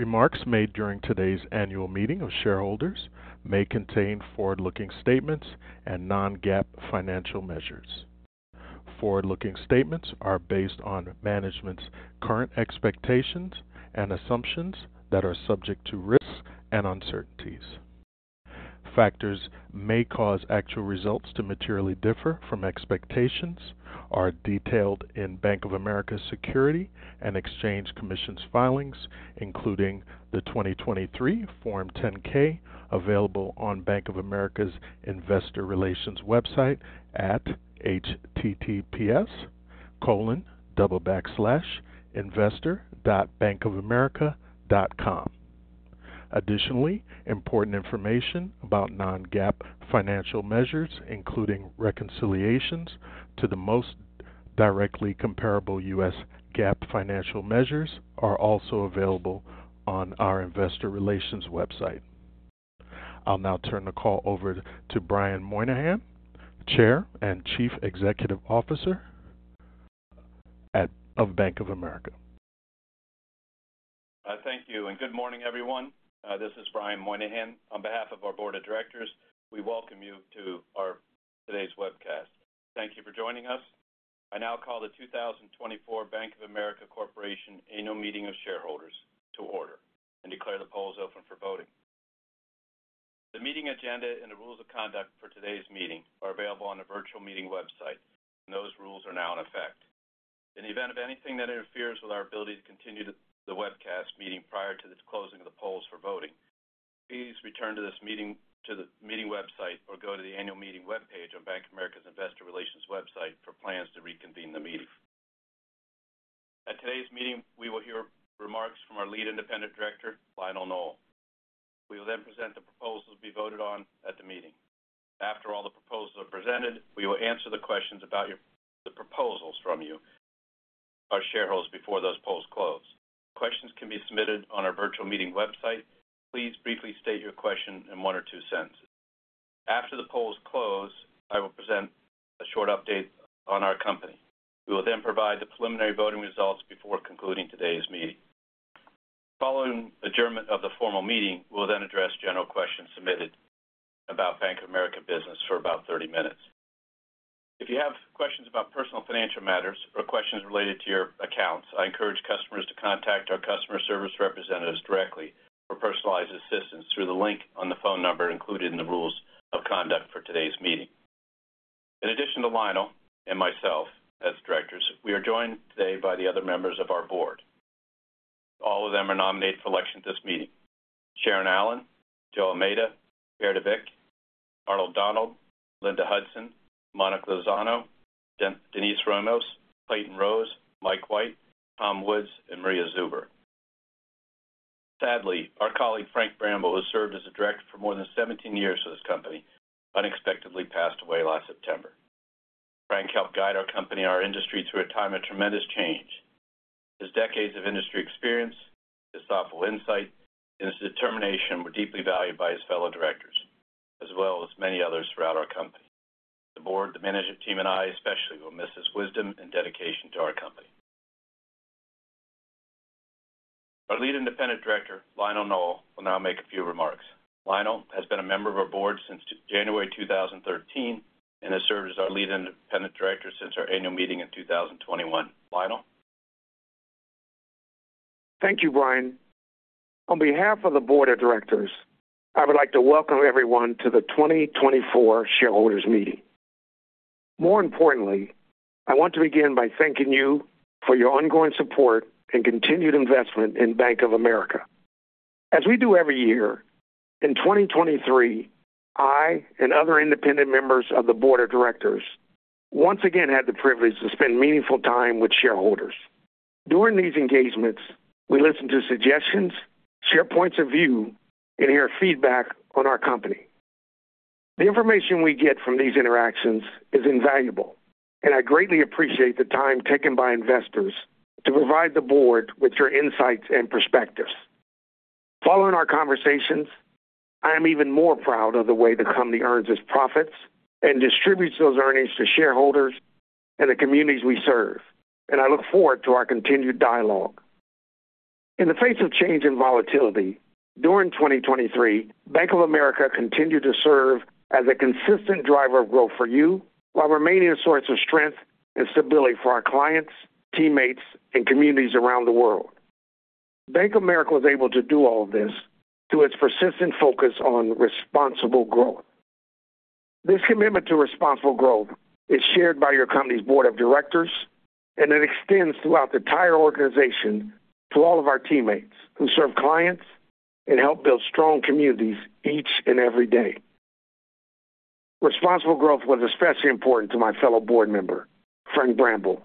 Remarks made during today's annual meeting of shareholders may contain forward-looking statements and non-GAAP financial measures. Forward-looking statements are based on management's current expectations and assumptions that are subject to risks and uncertainties. Factors may cause actual results to materially differ from expectations, are detailed in Bank of America's Securities and Exchange Commission filings, including the 2023 Form 10-K available on Bank of America's investor relations website at https://investor.bankofamerica.com. Additionally, important information about non-GAAP financial measures, including reconciliations to the most directly comparable U.S. GAAP financial measures, are also available on our investor relations website. I'll now turn the call over to Brian Moynihan, Chair and Chief Executive Officer of Bank of America. Thank you, and good morning, everyone. This is Brian Moynihan. On behalf of our board of directors, we welcome you to today's webcast. Thank you for joining us. I now call the 2024 Bank of America Corporation Annual Meeting of Shareholders to order and declare the polls open for voting. The meeting agenda and the rules of conduct for today's meeting are available on the virtual meeting website, and those rules are now in effect. In the event of anything that interferes with our ability to continue the webcast meeting prior to the closing of the polls for voting, please return to this meeting to the meeting website or go to the annual meeting webpage on Bank of America's investor relations website for plans to reconvene the meeting. At today's meeting, we will hear remarks from our lead independent director, Lionel Nowell. We will then present the proposals to be voted on at the meeting. After all the proposals are presented, we will answer the questions about the proposals from you, our shareholders, before those polls close. Questions can be submitted on our virtual meeting website. Please briefly state your question in one or two sentences. After the polls close, I will present a short update on our company. We will then provide the preliminary voting results before concluding today's meeting. Following adjournment of the formal meeting, we will then address general questions submitted about Bank of America business for about 30 minutes. If you have questions about personal financial matters or questions related to your accounts, I encourage customers to contact our customer service representatives directly for personalized assistance through the link on the phone number included in the rules of conduct for today's meeting. In addition to Lionel and myself as directors, we are joined today by the other members of our board. All of them are nominated for election at this meeting: Sharon Allen, José Almeida, Pierre de Weck, Arnold Donald, Linda Hudson, Monica Lozano, Denise Ramos, Clayton Rose, Mike White, Tom Woods, and Maria Zuber. Sadly, our colleague Frank Bramble, who served as a director for more than 17 years for this company, unexpectedly passed away last September. Frank helped guide our company and our industry through a time of tremendous change. His decades of industry experience, his thoughtful insight, and his determination were deeply valued by his fellow directors, as well as many others throughout our company. The board, the management team, and I especially will miss his wisdom and dedication to our company. Our Lead Independent Director, Lionel Nowell, will now make a few remarks. Lionel has been a member of our board since January 2013 and has served as our Lead Independent Director since our annual meeting in 2021. Lionel? Thank you, Brian. On behalf of the board of directors, I would like to welcome everyone to the 2024 shareholders' meeting. More importantly, I want to begin by thanking you for your ongoing support and continued investment in Bank of America. As we do every year, in 2023, I and other independent members of the board of directors once again had the privilege to spend meaningful time with shareholders. During these engagements, we listen to suggestions, share points of view, and hear feedback on our company. The information we get from these interactions is invaluable, and I greatly appreciate the time taken by investors to provide the board with your insights and perspectives. Following our conversations, I am even more proud of the way the company earns its profits and distributes those earnings to shareholders and the communities we serve, and I look forward to our continued dialogue. In the face of change and volatility, during 2023, Bank of America continued to serve as a consistent driver of growth for you while remaining a source of strength and stability for our clients, teammates, and communities around the world. Bank of America was able to do all of this through its persistent focus on responsible growth. This commitment to responsible growth is shared by your company's board of directors, and it extends throughout the entire organization to all of our teammates who serve clients and help build strong communities each and every day. Responsible growth was especially important to my fellow board member, Frank Bramble,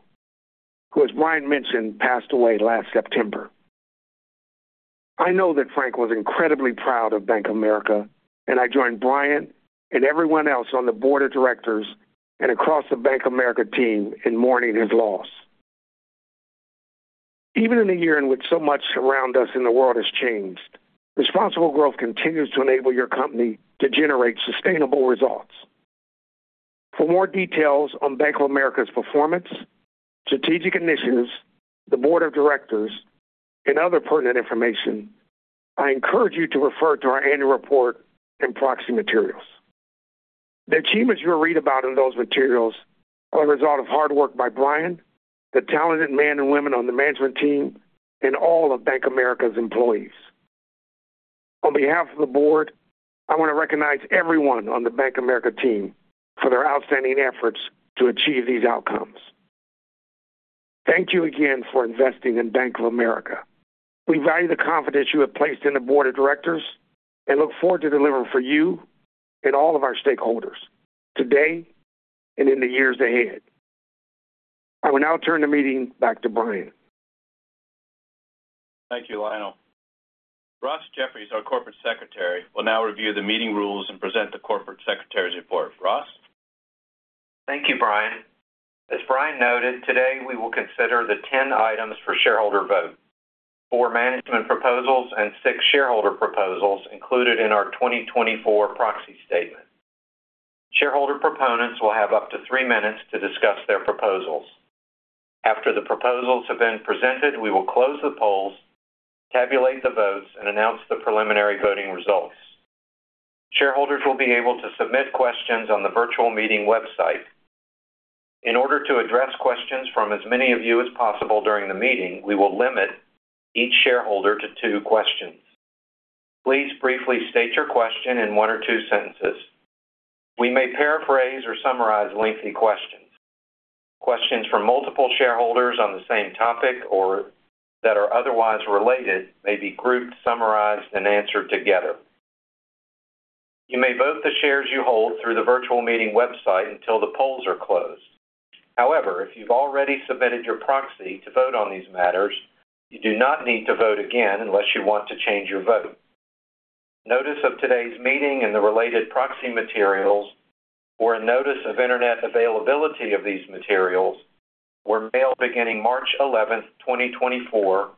who, as Brian mentioned, passed away last September. I know that Frank was incredibly proud of Bank of America, and I joined Brian and everyone else on the board of directors and across the Bank of America team in mourning his loss. Even in a year in which so much around us in the world has changed, responsible growth continues to enable your company to generate sustainable results. For more details on Bank of America's performance, strategic initiatives, the board of directors, and other pertinent information, I encourage you to refer to our annual report and proxy materials. The achievements you'll read about in those materials are the result of hard work by Brian, the talented men and women on the management team, and all of Bank of America's employees. On behalf of the board, I want to recognize everyone on the Bank of America team for their outstanding efforts to achieve these outcomes. Thank you again for investing in Bank of America. We value the confidence you have placed in the board of directors and look forward to delivering for you and all of our stakeholders today and in the years ahead. I will now turn the meeting back to Brian. Thank you, Lionel. Ross Jeffries, our Corporate Secretary, will now review the meeting rules and present the Corporate Secretary's report. Ross? Thank you, Brian. As Brian noted, today we will consider the 10 items for shareholder vote: 4 management proposals and 6 shareholder proposals included in our 2024 proxy statement. Shareholder proponents will have up to 3 minutes to discuss their proposals. After the proposals have been presented, we will close the polls, tabulate the votes, and announce the preliminary voting results. Shareholders will be able to submit questions on the virtual meeting website. In order to address questions from as many of you as possible during the meeting, we will limit each shareholder to 2 questions. Please briefly state your question in one or two sentences. We may paraphrase or summarize lengthy questions. Questions from multiple shareholders on the same topic or that are otherwise related may be grouped, summarized, and answered together. You may vote the shares you hold through the virtual meeting website until the polls are closed. However, if you've already submitted your proxy to vote on these matters, you do not need to vote again unless you want to change your vote. Notice of today's meeting and the related proxy materials or a notice of internet availability of these materials were mailed beginning March 11, 2024,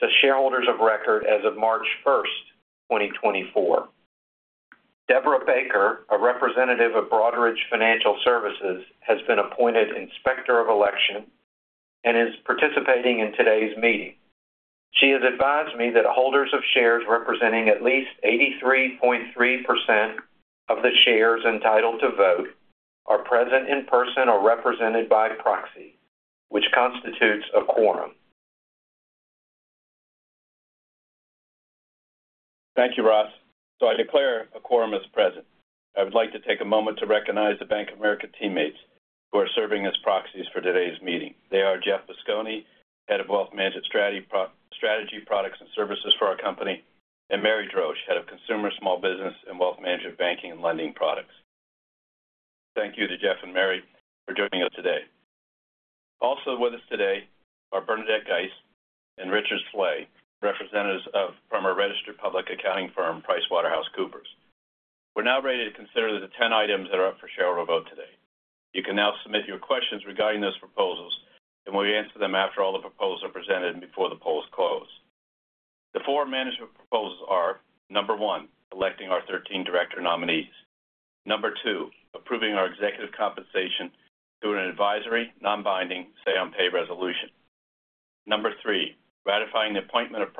to shareholders of record as of March 1, 2024. Deborah Baker, a representative of Broadridge Financial Services, has been appointed inspector of election and is participating in today's meeting. She has advised me that holders of shares representing at least 83.3% of the shares entitled to vote are present in person or represented by proxy, which constitutes a quorum. Thank you, Ross. So I declare a quorum as present. I would like to take a moment to recognize the Bank of America teammates who are serving as proxies for today's meeting. They are Jeff Busconi Head of Wealth Management Strategy Products and Services for our company, and Mary Droesch, head of consumer small business and wealth management banking and lending products. Thank you to Jeff and Mary for joining us today. Also with us today are Bernadette Geis and Richard Slay, representatives from our registered public accounting firm, PricewaterhouseCoopers. We're now ready to consider the 10 items that are up for shareholder vote today. You can now submit your questions regarding those proposals, and we'll answer them after all the proposals are presented and before the polls close. The four management proposals are: number one, electing our 13 director nominees; number two, approving our executive compensation through an advisory, non-binding say-on-pay resolution; number 3, ratifying the appointment of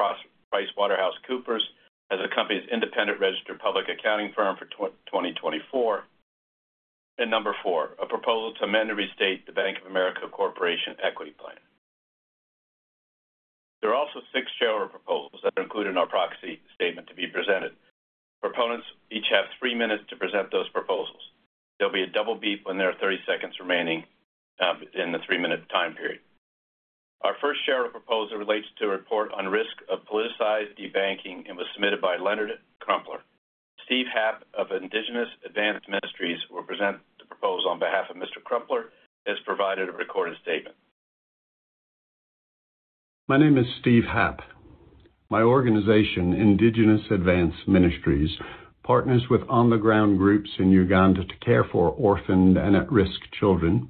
PricewaterhouseCoopers as the company's independent registered public accounting firm for 2024; and number four, a proposal to amend and restate the Bank of America Corporation equity plan. There are also 6 shareholder proposals that are included in our proxy statement to be presented. Proponents each have 3 minutes to present those proposals. There'll be a double beep when there are 30 seconds remaining in the three-minute time period. Our first shareholder proposal relates to a report on risk of politicized debanking and was submitted by Leonard Krumpler. Steve Happ of Indigenous Advance Ministries will present the proposal on behalf of Mr. Krumpler as provided in a recorded statement. My name is Steve Happ. My organization, Indigenous Advance Ministries, partners with on-the-ground groups in Uganda to care for orphaned and at-risk children,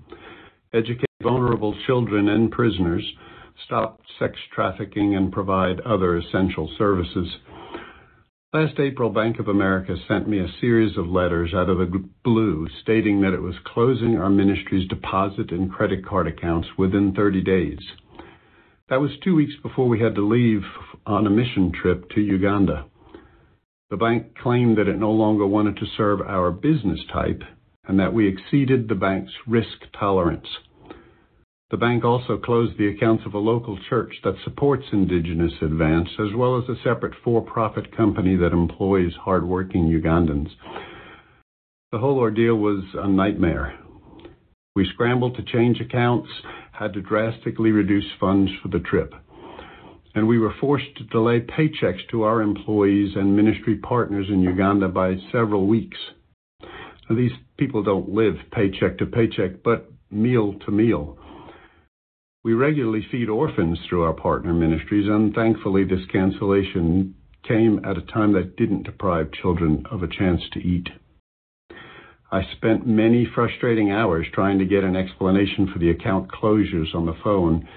educate vulnerable children and prisoners, stop sex trafficking, and provide other essential services. Last April, Bank of America sent me a series of letters out of the blue stating that it was closing our ministry's deposit and credit card accounts within 30 days. That was two weeks before we had to leave on a mission trip to Uganda. The bank claimed that it no longer wanted to serve our business type and that we exceeded the bank's risk tolerance. The bank also closed the accounts of a local church that supports Indigenous Advanced as well as a separate for-profit company that employs hardworking Ugandans. The whole ordeal was a nightmare. We scrambled to change accounts, had to drastically reduce funds for the trip, and we were forced to delay paychecks to our employees and ministry partners in Uganda by several weeks. These people don't live paycheck to paycheck but meal to meal. We regularly feed orphans through our partner ministries, and thankfully, this cancellation came at a time that didn't deprive children of a chance to eat. I spent many frustrating hours trying to get an explanation for the account closures on the phone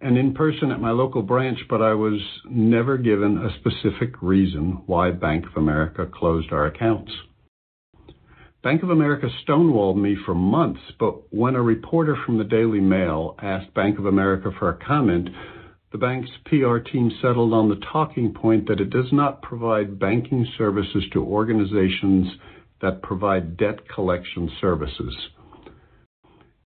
and in person at my local branch, but I was never given a specific reason why Bank of America closed our accounts. Bank of America stonewalled me for months, but when a reporter from the Daily Mail asked Bank of America for a comment, the bank's PR team settled on the talking point that it does not provide banking services to organizations that provide debt collection services.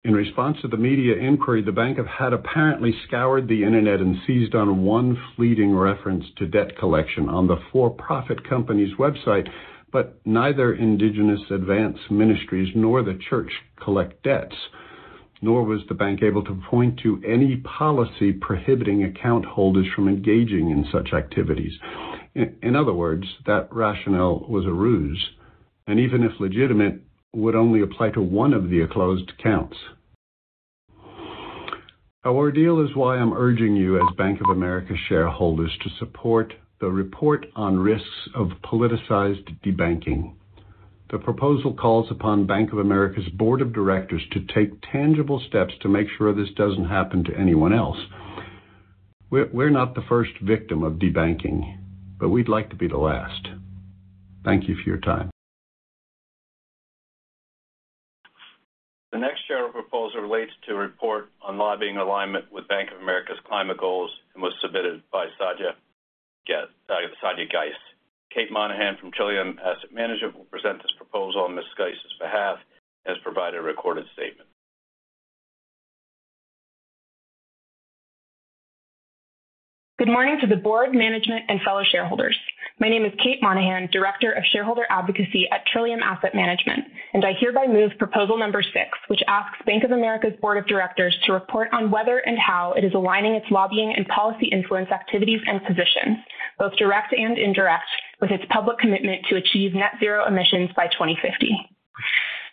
In response to the media inquiry, the bank had apparently scoured the internet and seized on one fleeting reference to debt collection on the for-profit company's website, but neither Indigenous Advance Ministries nor the church collect debts, nor was the bank able to point to any policy prohibiting account holders from engaging in such activities. In other words, that rationale was a ruse, and even if legitimate, would only apply to one of the closed accounts. Our ordeal is why I'm urging you as Bank of America shareholders to support the report on risks of politicized debanking. The proposal calls upon Bank of America's board of directors to take tangible steps to make sure this doesn't happen to anyone else. We're not the first victim of debanking, but we'd like to be the last. Thank you for your time. The next shareholder proposal relates to a report on lobbying alignment with Bank of America's climate goals and was submitted by Sadia Geiss. Kate Monahan from Trillium Asset Management will present this proposal on Ms. Geiss's behalf as provided in a recorded statement. Good morning to the board, management, and fellow shareholders. My name is Kate Monahan, director of shareholder advocacy at Trillium Asset Management, and I hereby move proposal number six, which asks Bank of America's board of directors to report on whether and how it is aligning its lobbying and policy influence activities and positions, both direct and indirect, with its public commitment to achieve net-zero emissions by 2050.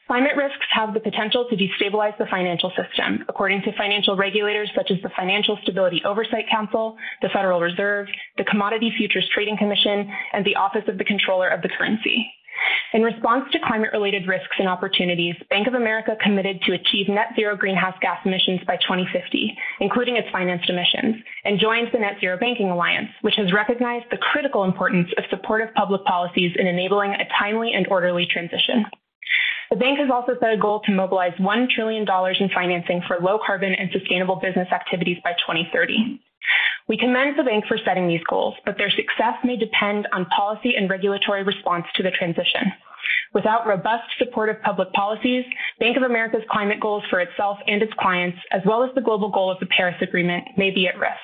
Climate risks have the potential to destabilize the financial system, according to financial regulators such as the Financial Stability Oversight Council, the Federal Reserve, the Commodity Futures Trading Commission, and the Office of the Controller of the Currency. In response to climate-related risks and opportunities, Bank of America committed to achieve net-zero greenhouse gas emissions by 2050, including its financed emissions, and joined the Net Zero Banking Alliance, which has recognized the critical importance of supportive public policies in enabling a timely and orderly transition. The bank has also set a goal to mobilize $1 trillion in financing for low-carbon and sustainable business activities by 2030. We commend the bank for setting these goals, but their success may depend on policy and regulatory response to the transition. Without robust supportive public policies, Bank of America's climate goals for itself and its clients, as well as the global goal of the Paris Agreement, may be at risk.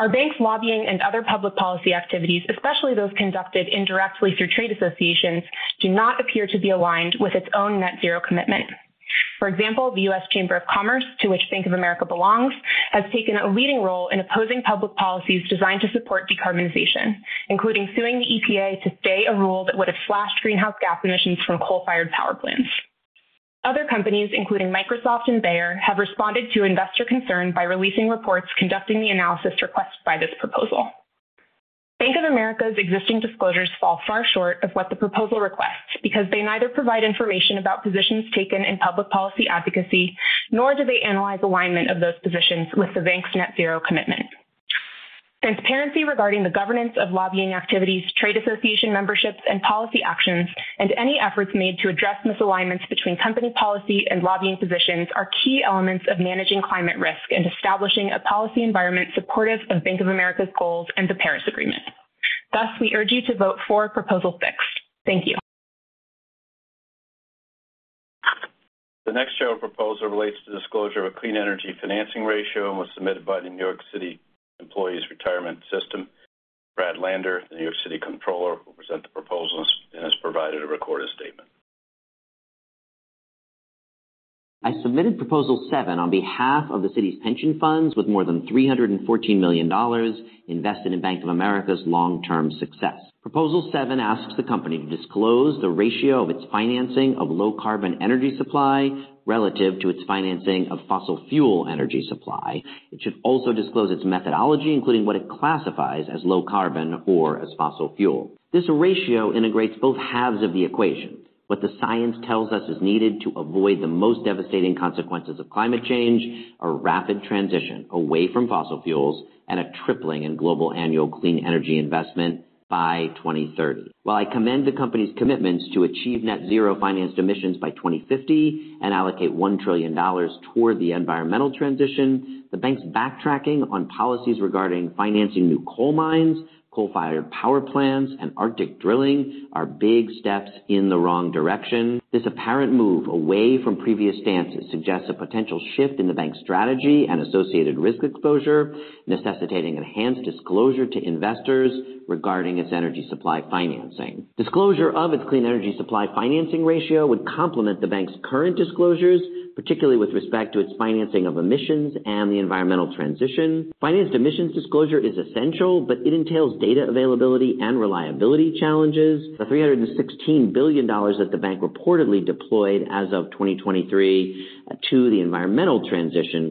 Our bank's lobbying and other public policy activities, especially those conducted indirectly through trade associations, do not appear to be aligned with its own net-zero commitment. For example, the U.S. Chamber of Commerce, to which Bank of America belongs, has taken a leading role in opposing public policies designed to support decarbonization, including suing the EPA to stay a rule that would have slashed greenhouse gas emissions from coal-fired power plants. Other companies, including Microsoft and Bayer, have responded to investor concern by releasing reports conducting the analysis requested by this proposal. Bank of America's existing disclosures fall far short of what the proposal requests because they neither provide information about positions taken in public policy advocacy nor do they analyze alignment of those positions with the bank's net-zero commitment. Transparency regarding the governance of lobbying activities, trade association memberships, and policy actions, and any efforts made to address misalignments between company policy and lobbying positions are key elements of managing climate risk and establishing a policy environment supportive of Bank of America's goals and the Paris Agreement. Thus, we urge you to vote for Proposal four. Thank you. The next shareholder proposal relates to disclosure of a clean energy financing ratio and was submitted by the New York City Employees Retirement System. Brad Lander, the New York City Comptroller, will present the proposal and has provided a recorded statement. I submitted Proposal seven on behalf of the city's pension funds with more than $314 million invested in Bank of America's long-term success. Proposal seven asks the company to disclose the ratio of its financing of low-carbon energy supply relative to its financing of fossil fuel energy supply. It should also disclose its methodology, including what it classifies as low-carbon or as fossil fuel. This ratio integrates both halves of the equation. What the science tells us is needed to avoid the most devastating consequences of climate change, a rapid transition away from fossil fuels, and a tripling in global annual clean energy investment by 2030. While I commend the company's commitments to achieve net-zero financed emissions by 2050 and allocate $1 trillion toward the environmental transition, the bank's backtracking on policies regarding financing new coal mines, coal-fired power plants, and Arctic drilling are big steps in the wrong direction. This apparent move away from previous stances suggests a potential shift in the bank's strategy and associated risk exposure, necessitating enhanced disclosure to investors regarding its energy supply financing. Disclosure of its clean energy supply financing ratio would complement the bank's current disclosures, particularly with respect to its financing of emissions and the environmental transition. Financed emissions disclosure is essential, but it entails data availability and reliability challenges. The $316 billion that the bank reportedly deployed as of 2023 to the environmental transition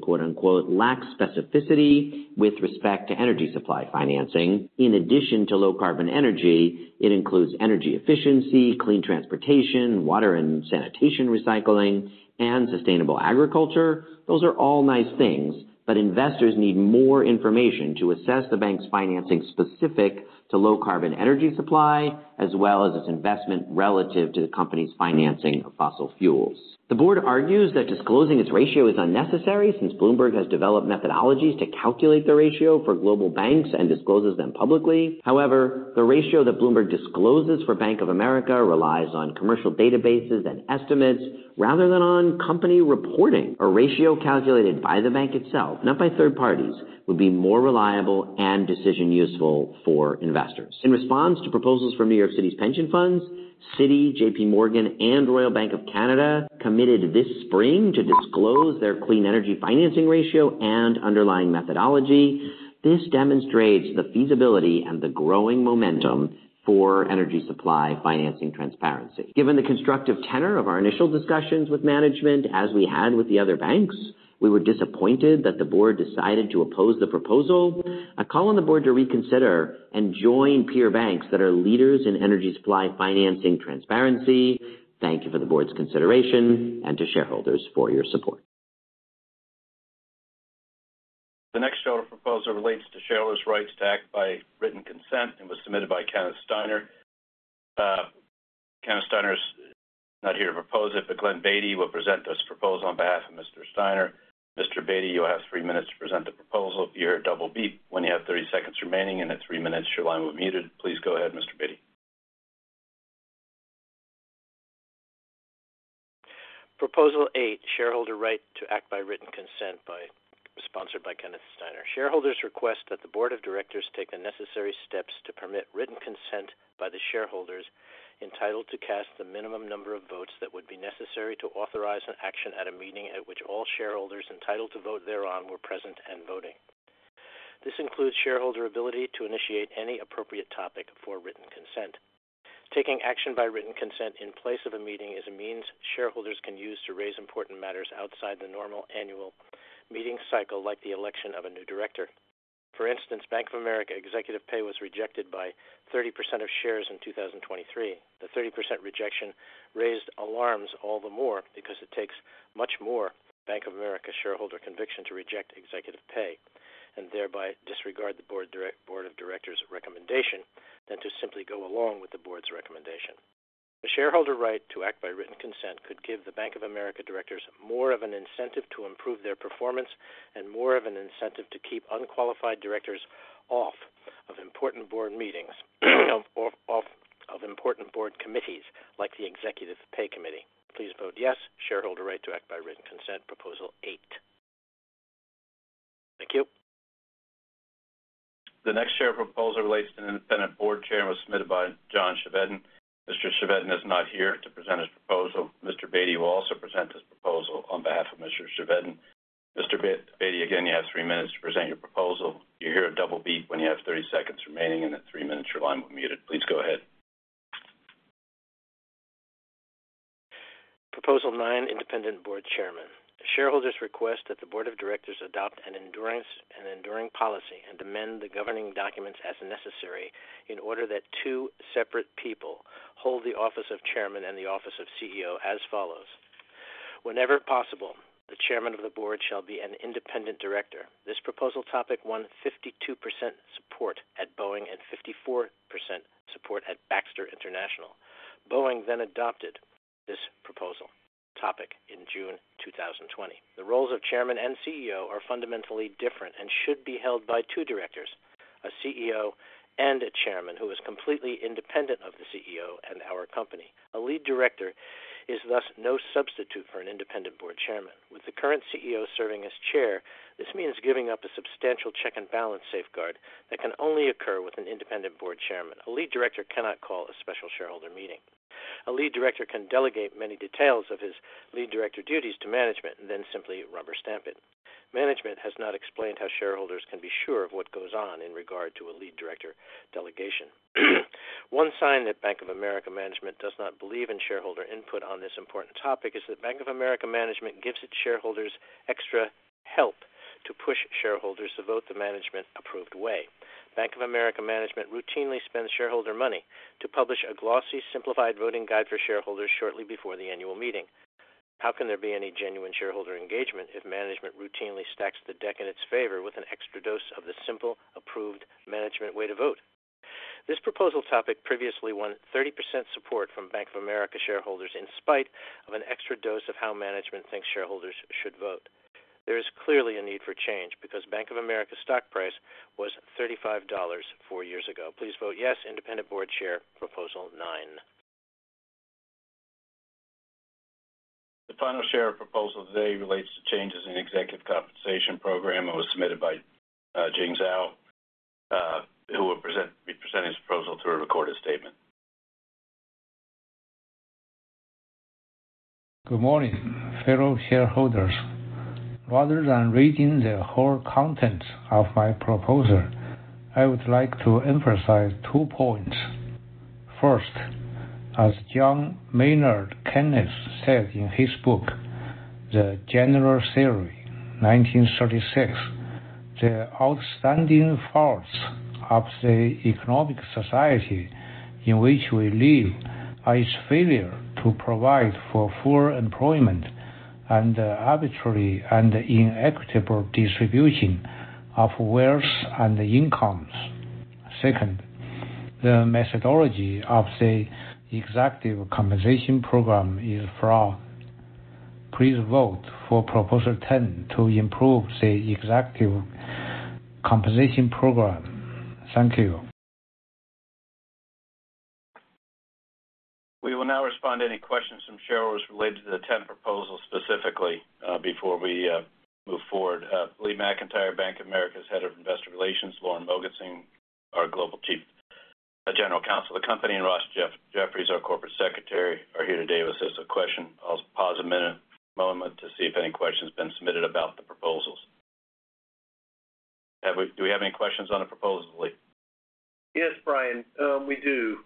"lacks specificity" with respect to energy supply financing. In addition to low-carbon energy, it includes energy efficiency, clean transportation, water and sanitation recycling, and sustainable agriculture. Those are all nice things, but investors need more information to assess the bank's financing specific to low-carbon energy supply as well as its investment relative to the company's financing of fossil fuels. The board argues that disclosing its ratio is unnecessary since Bloomberg has developed methodologies to calculate the ratio for global banks and discloses them publicly. However, the ratio that Bloomberg discloses for Bank of America relies on commercial databases and estimates rather than on company reporting. A ratio calculated by the bank itself, not by third parties, would be more reliable and decision-useful for investors. In response to proposals from New York City's pension funds, Citi, JPMorgan, and Royal Bank of Canada committed this spring to disclose their clean energy financing ratio and underlying methodology. This demonstrates the feasibility and the growing momentum for energy supply financing transparency. Given the constructive tenor of our initial discussions with management, as we had with the other banks, we were disappointed that the board decided to oppose the proposal. I call on the board to reconsider and join peer banks that are leaders in energy supply financing transparency. Thank you for the board's consideration and to shareholders for your support. The next shareholder proposal relates to shareholders' rights to act by written consent and was submitted by Kenneth Steiner. Kenneth Steiner is not here to propose it, but Glenn Beatty will present this proposal on behalf of Mr. Steiner. Mr. Beatty, you'll have three minutes to present the proposal. You hear a double beep when you have 30 seconds remaining, and at three minutes, your line will be muted. Please go ahead, Mr. Beatty. Proposal eight, shareholder right to act by written consent, sponsored by Kenneth Steiner. Shareholders request that the board of directors take the necessary steps to permit written consent by the shareholders entitled to cast the minimum number of votes that would be necessary to authorize an action at a meeting at which all shareholders entitled to vote thereon were present and voting. This includes shareholder ability to initiate any appropriate topic for written consent. Taking action by written consent in place of a meeting is a means shareholders can use to raise important matters outside the normal annual meeting cycle like the election of a new director. For instance, Bank of America executive pay was rejected by 30% of shares in 2023. The 30% rejection raised alarms all the more because it takes much more Bank of America shareholder conviction to reject executive pay and thereby disregard the board of directors' recommendation than to simply go along with the board's recommendation. The shareholder right to act by written consent could give the Bank of America directors more of an incentive to improve their performance and more of an incentive to keep unqualified directors off of important board committees like the executive pay committee. Please vote yes, shareholder right to act by written consent, proposal eight. Thank you. The next shareholder proposal relates to an independent board chair and was submitted by John Chevedden. Mr. Chevedden is not here to present his proposal. Mr. Beatty will also present his proposal on behalf of Mr. Chevedden. Mr. Beatty, again, you have 3 minutes to present your proposal. You hear a double beep when you have 30 seconds remaining, and at 3 minutes, your line will be muted. Please go ahead. Proposal nine, independent board chairman. Shareholders request that the board of directors adopt an enduring policy and amend the governing documents as necessary in order that two separate people hold the office of chairman and the office of CEO as follows. Whenever possible, the chairman of the board shall be an independent director. This proposal topic won 52% support at Boeing and 54% support at Baxter International. Boeing then adopted this proposal topic in June 2020. The roles of chairman and CEO are fundamentally different and should be held by two directors, a CEO and a chairman, who is completely independent of the CEO and our company. A lead director is thus no substitute for an independent board chairman. With the current CEO serving as chair, this means giving up a substantial check and balance safeguard that can only occur with an independent board chairman. A lead director cannot call a special shareholder meeting. A lead director can delegate many details of his lead director duties to management and then simply rubber stamp it. Management has not explained how shareholders can be sure of what goes on in regard to a lead director delegation. One sign that Bank of America management does not believe in shareholder input on this important topic is that Bank of America management gives its shareholders extra help to push shareholders to vote the management-approved way. Bank of America management routinely spends shareholder money to publish a glossy, simplified voting guide for shareholders shortly before the annual meeting. How can there be any genuine shareholder engagement if management routinely stacks the deck in its favor with an extra dose of the simple, approved management way to vote? This proposal topic previously won 30% support from Bank of America shareholders in spite of an extra dose of how management thinks shareholders should vote. There is clearly a need for change because Bank of America stock price was $35 four years ago. Please vote yes, independent board chair, proposal nine. The final shareholder proposal today relates to changes in the executive compensation program and was submitted by Jing Zhao, who will be presenting his proposal through a recorded statement. Good morning, fellow shareholders. Rather than reading the whole content of my proposal, I would like to emphasize two points. First, as John Maynard Keynes said in his book, The General Theory, 1936, the outstanding faults of the economic society in which we live are its failure to provide for full employment and the arbitrary and inequitable distribution of wealth and incomes. Second, the methodology of the executive compensation program is flawed. Please vote for proposal 10 to improve the executive compensation program. Thank you. We will now respond to any questions from shareholders related to the 10th proposal specifically before we move forward. Lee McEntire, Bank of America's head of investor relations, Lauren Mogensen, our global general counsel of the company, and Ross Jeffries, our corporate secretary, are here today to assist with questions. I'll pause a moment to see if any questions have been submitted about the proposals. Do we have any questions on the proposal, Lee? Yes, Brian. We do.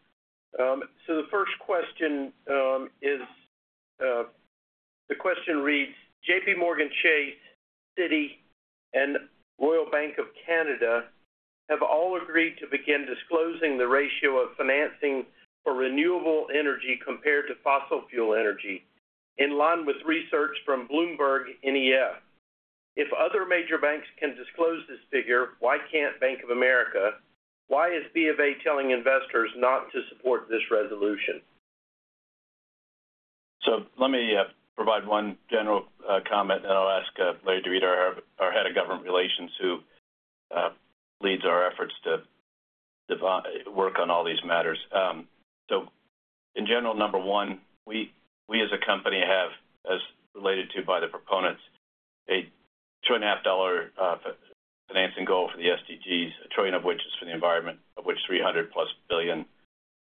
So the first question reads, "JPMorgan Chase, Citi, and Royal Bank of Canada have all agreed to begin disclosing the ratio of financing for renewable energy compared to fossil fuel energy in line with research from Bloomberg NEF. If other major banks can disclose this figure, why can't Bank of America? Why is B of A telling investors not to support this resolution? So let me provide one general comment, and I'll ask Larry Di Rita, our head of government relations, who leads our efforts to work on all these matters. So in general, number one, we as a company have, as related to by the proponents, a $2.5 billion financing goal for the SDGs, a trillion of which is for the environment, of which 300+ billion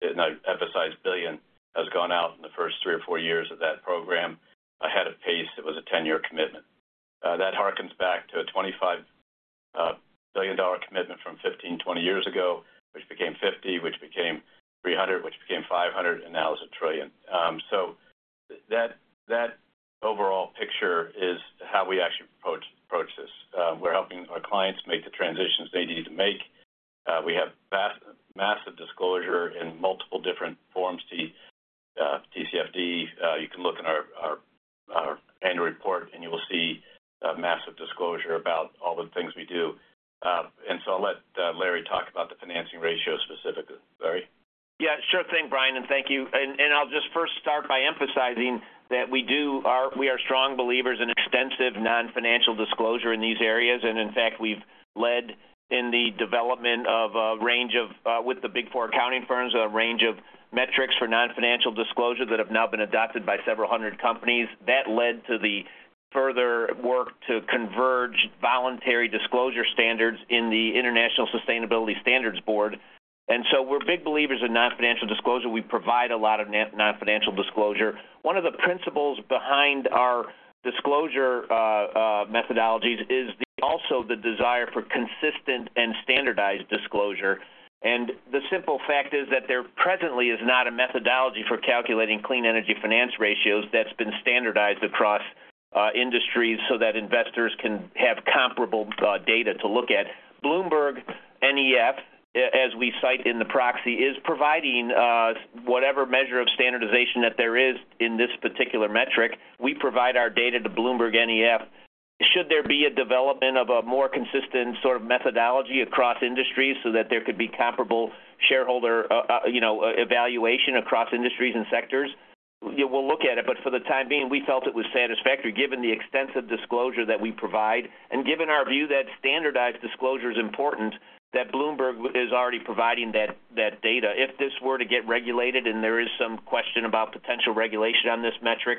(and I emphasize billion) has gone out in the first three or four years of that program ahead of pace. It was a 10-year commitment. That harkens back to a $25 billion commitment from 15-20 years ago, which became 50, which became 300, which became 500, and now it's a trillion. So that overall picture is how we actually approach this. We're helping our clients make the transitions they need to make. We have massive disclosure in multiple different forms to TCFD. You can look in our annual report, and you will see massive disclosure about all the things we do. And so I'll let Larry talk about the financing ratio specifically. Larry? Yeah, sure thing, Brian, and thank you. I'll just first start by emphasizing that we are strong believers in extensive non-financial disclosure in these areas. In fact, we've led in the development of a range of, with the Big Four accounting firms, a range of metrics for non-financial disclosure that have now been adopted by several hundred companies. That led to the further work to converge voluntary disclosure standards in the International Sustainability Standards Board. We're big believers in non-financial disclosure. We provide a lot of non-financial disclosure. One of the principles behind our disclosure methodologies is also the desire for consistent and standardized disclosure. The simple fact is that there presently is not a methodology for calculating clean energy finance ratios that's been standardized across industries so that investors can have comparable data to look at. Bloomberg NEF, as we cite in the proxy, is providing whatever measure of standardization that there is in this particular metric. We provide our data to Bloomberg NEF. Should there be a development of a more consistent sort of methodology across industries so that there could be comparable shareholder evaluation across industries and sectors, we'll look at it. But for the time being, we felt it was satisfactory given the extensive disclosure that we provide. And given our view that standardized disclosure is important, that Bloomberg is already providing that data. If this were to get regulated and there is some question about potential regulation on this metric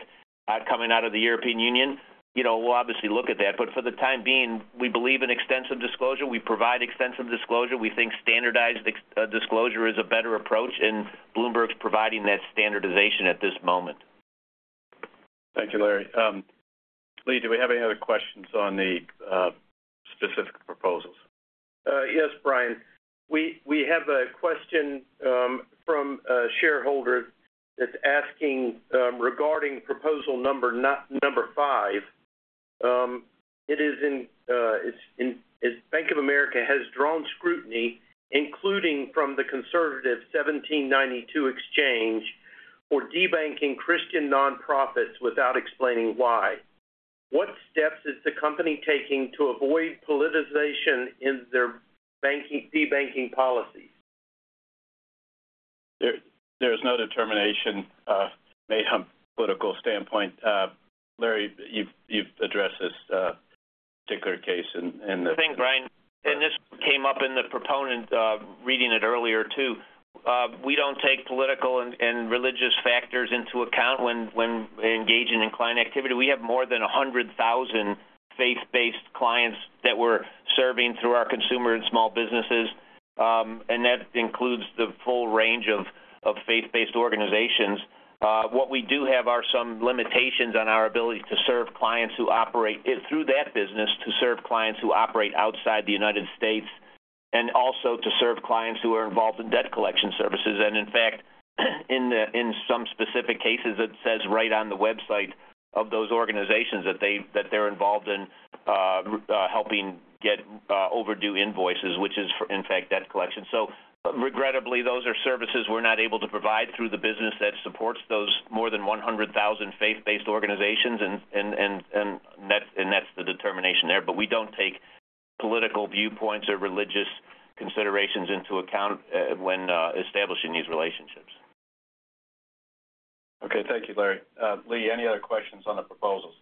coming out of the European Union, we'll obviously look at that. But for the time being, we believe in extensive disclosure. We provide extensive disclosure. We think standardized disclosure is a better approach, and Bloomberg's providing that standardization at this moment. Thank you, Larry. Lee, do we have any other questions on the specific proposals? Yes, Brian. We have a question from a shareholder that's asking regarding proposal number five. It is, "Bank of America has drawn scrutiny, including from the conservative 1792 Exchange, for debanking Christian nonprofits without explaining why. What steps is the company taking to avoid politicization in their debanking policies? There is no determination made from a political standpoint. Larry, you've addressed this particular case in the. I think, Brian, and this came up in the proponent reading it earlier too. We don't take political and religious factors into account when engaging in client activity. We have more than 100,000 faith-based clients that we're serving through our consumer and small businesses, and that includes the full range of faith-based organizations. What we do have are some limitations on our ability to serve clients who operate through that business, to serve clients who operate outside the United States, and also to serve clients who are involved in debt collection services. And in fact, in some specific cases, it says right on the website of those organizations that they're involved in helping get overdue invoices, which is, in fact, debt collection. So regrettably, those are services we're not able to provide through the business that supports those more than 100,000 faith-based organizations, and that's the determination there. But we don't take political viewpoints or religious considerations into account when establishing these relationships. Okay. Thank you, Larry. Lee, any other questions on the proposals?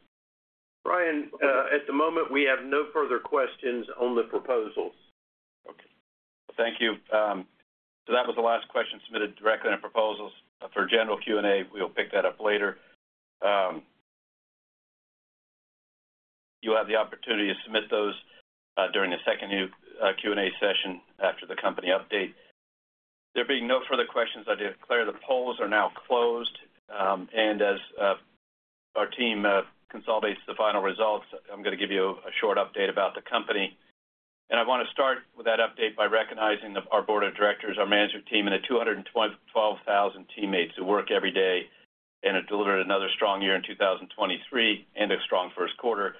Brian, at the moment, we have no further questions on the proposals. Okay. Thank you. So that was the last question submitted directly in the proposals for general Q&A. We'll pick that up later. You'll have the opportunity to submit those during the second Q&A session after the company update. There being no further questions, I declare the polls are now closed. And as our team consolidates the final results, I'm going to give you a short update about the company. And I want to start with that update by recognizing our board of directors, our management team, and the 212,000 teammates who work every day and have delivered another strong year in 2023 and a strong first quarter